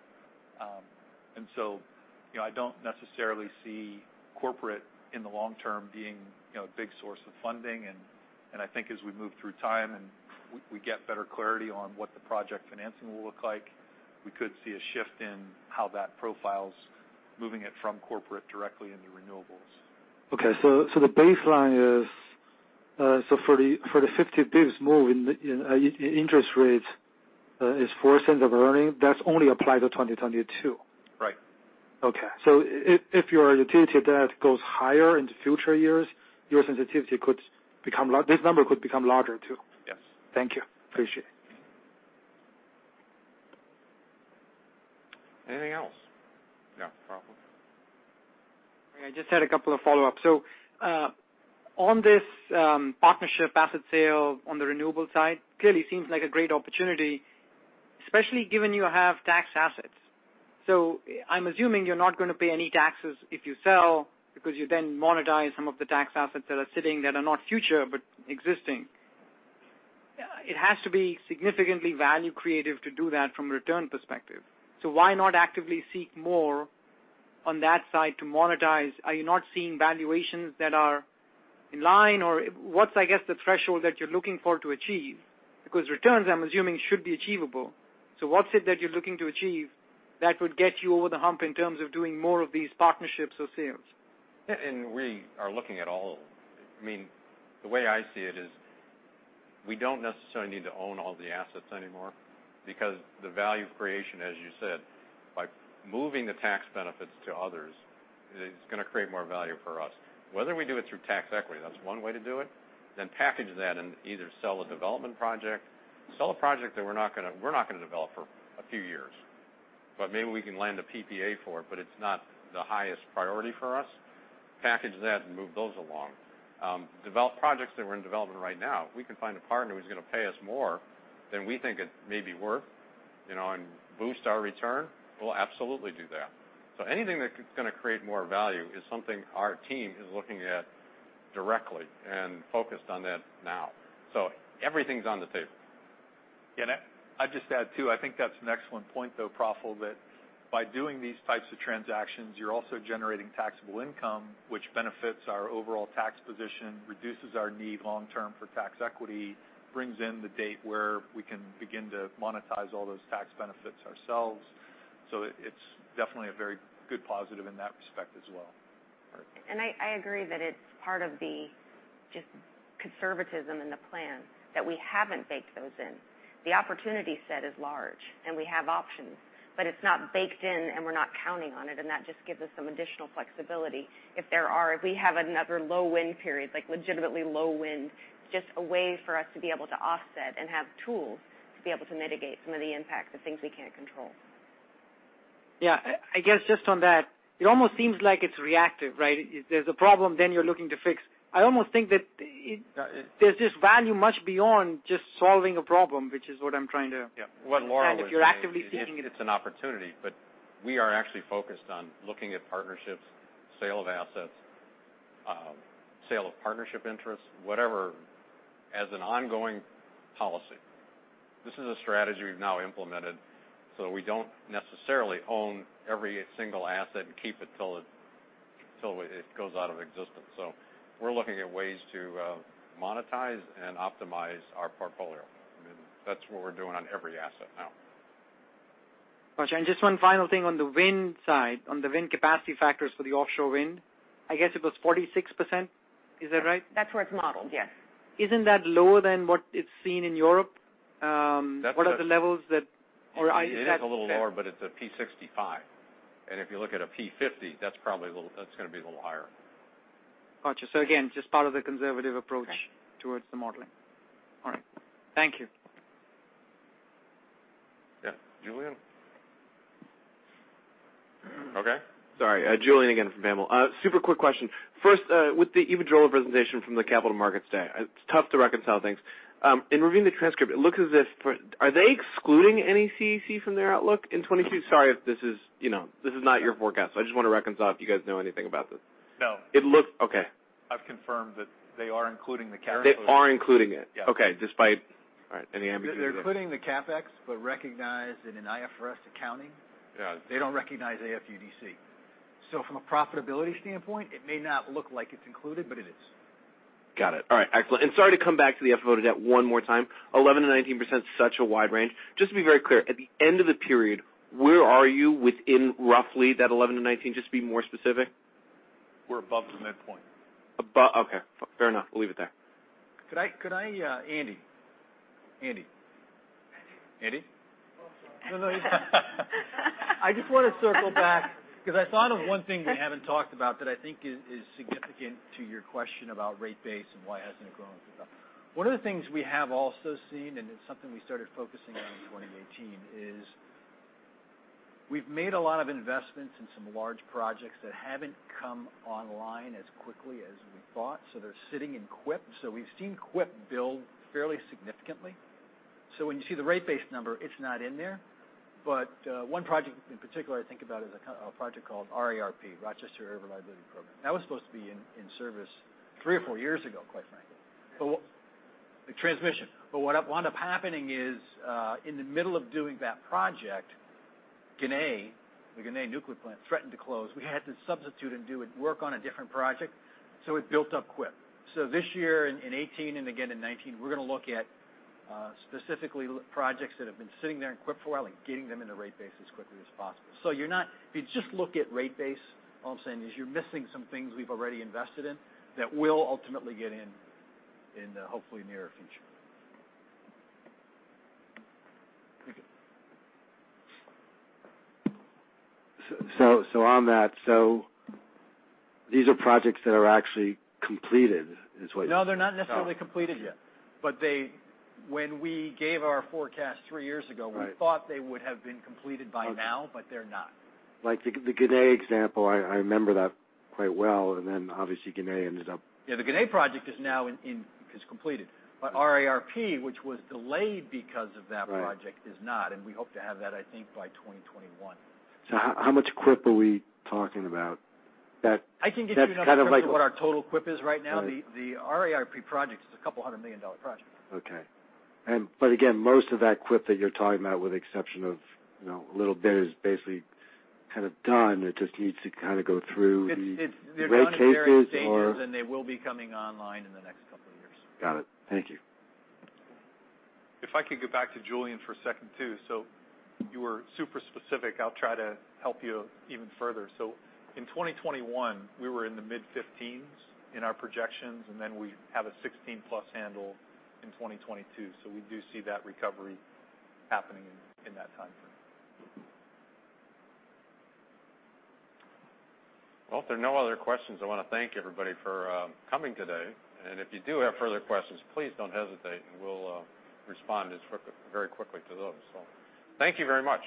I don't necessarily see corporate in the long term being a big source of funding. I think as we move through time and we get better clarity on what the project financing will look like, we could see a shift in how that profile's moving it from corporate directly into renewables. Okay, the baseline is, so for the 50 basis points move in interest rates is $0.04 of earning, that's only applied to 2022? Right. If your utility debt goes higher into future years, your sensitivity could become-- this number could become larger too? Yes. Thank you. Appreciate it. Anything else? No, Praful. I just had a couple of follow-ups. On this partnership asset sale on the renewable side, clearly seems like a great opportunity, especially given you have tax assets. I'm assuming you're not going to pay any taxes if you sell, because you then monetize some of the tax assets that are sitting, that are not future, but existing. It has to be significantly value creative to do that from a return perspective. Why not actively seek more on that side to monetize? Are you not seeing valuations that are in line, or what's, I guess, the threshold that you're looking for to achieve? Because returns, I'm assuming, should be achievable. What is it that you're looking to achieve that would get you over the hump in terms of doing more of these partnerships or sales? We are looking at all of them. The way I see it is, we don't necessarily need to own all the assets anymore because the value creation, as you said, by moving the tax benefits to others, it's going to create more value for us. Whether we do it through tax equity, that's one way to do it, then package that and either sell a development project, sell a project that we're not going to develop for a few years. Maybe we can land a PPA for it, but it's not the highest priority for us. Package that and move those along. Develop projects that we're in development right now. If we can find a partner who's going to pay us more than we think it may be worth, and boost our return, we'll absolutely do that. Anything that's going to create more value is something our team is looking at directly and focused on that now. Everything's on the table. Yeah, I'd just add, too, I think that's an excellent point, though, Praful, that by doing these types of transactions, you're also generating taxable income, which benefits our overall tax position, reduces our need long term for tax equity, brings in the date where we can begin to monetize all those tax benefits ourselves. It's definitely a very good positive in that respect as well. Right. I agree that it's part of the just conservatism in the plan that we haven't baked those in. The opportunity set is large, and we have options, but it's not baked in, and we're not counting on it, and that just gives us some additional flexibility. If we have another low wind period, like legitimately low wind, just a way for us to be able to offset and have tools to be able to mitigate some of the impact of things we can't control. Yeah. I guess just on that, it almost seems like it's reactive, right? There's a problem, then you're looking to fix. I almost think that there's this value much beyond just solving a problem, which is what I'm trying to- Yeah. What Laura was saying. If you're actively seeking it. It's an opportunity, we are actually focused on looking at partnerships, sale of assets, sale of partnership interests, whatever, as an ongoing policy. This is a strategy we've now implemented, we don't necessarily own every single asset and keep it till it goes out of existence. We're looking at ways to monetize and optimize our portfolio. That's what we're doing on every asset now. Got you. Just one final thing on the wind side, on the wind capacity factors for the offshore wind. I guess it was 46%. Is that right? That's where it's modeled, yes. Isn't that lower than what is seen in Europe? What are the levels that? It is a little lower, but it's a P65. If you look at a P50, that's going to be a little higher. Got you. Again, just part of the conservative approach towards the modeling. All right. Thank you. Yeah. Julien? Okay. Sorry, Julien again from BAML. Super quick question. First, Eva Joly presentation from Capital Markets Day, it's tough to reconcile things. In reviewing the transcript, are they excluding NECEC from their outlook in 2022? Sorry if this is not your forecast. I just want to reconcile if you guys know anything about this. No. Okay. I've confirmed that they are including the CapEx. They are including it? Yes. Okay. Despite any ambiguity there. They're including the CapEx, recognize that in IFRS accounting. Yeah They don't recognize AFUDC. From a profitability standpoint, it may not look like it's included, but it is. Got it. All right. Excellent. Sorry to come back to the FFO debt one more time, 11%-19% is such a wide range. Just to be very clear, at the end of the period, where are you within roughly that 11%-19%? Just to be more specific. We're above the midpoint. Above. Okay, fair enough. We'll leave it there. Could I, Andy? Andy? Andy? I just want to circle back because I thought of one thing we haven't talked about that I think is significant to your question about rate base and why it hasn't grown. One of the things we have also seen, and it's something we started focusing on in 2018, is we've made a lot of investments in some large projects that haven't come online as quickly as we thought. They're sitting in CWIP. We've seen CWIP build fairly significantly. When you see the rate base number, it's not in there. One project in particular I think about is a project called RARP, Rochester Area Reliability Project. That was supposed to be in service three or four years ago, quite frankly. Transmission. What wound up happening is, in the middle of doing that project, Ginna, the Ginna nuclear plant, threatened to close. We had to substitute and do work on a different project, it built up CWIP. This year in 2018 and again in 2019, we're going to look at specifically projects that have been sitting there in CWIP for a while and getting them into rate base as quickly as possible. If you just look at rate base, all I'm saying is you're missing some things we've already invested in that will ultimately get in the hopefully nearer future. Thank you. On that, these are projects that are actually completed, is what you're. No, they're not necessarily completed yet. When we gave our forecast three years ago. Right We thought they would have been completed by now, they're not. Like the Ginna example, I remember that quite well. Obviously Ginna ended up Yeah, the Ginna project is now completed. RARP, which was delayed because of that project Right is not, we hope to have that, I think, by 2021. How much CWIP are we talking about? That's kind of like I can get you the number of what our total CWIP is right now. Right. The RARP project is a couple hundred million dollar project. Okay. Again, most of that CWIP that you're talking about, with the exception of a little bit, is basically kind of done. It just needs to kind of go through the rate cases. They're done at various stages. They will be coming online in the next couple of years. Got it. Thank you. If I could go back to Julien for a second, too. You were super specific. I'll try to help you even further. In 2021, we were in the mid-15s in our projections, and then we have a 16-plus handle in 2022. We do see that recovery happening in that timeframe. Well, if there are no other questions, I want to thank everybody for coming today. If you do have further questions, please don't hesitate, and we'll respond very quickly to those. Thank you very much.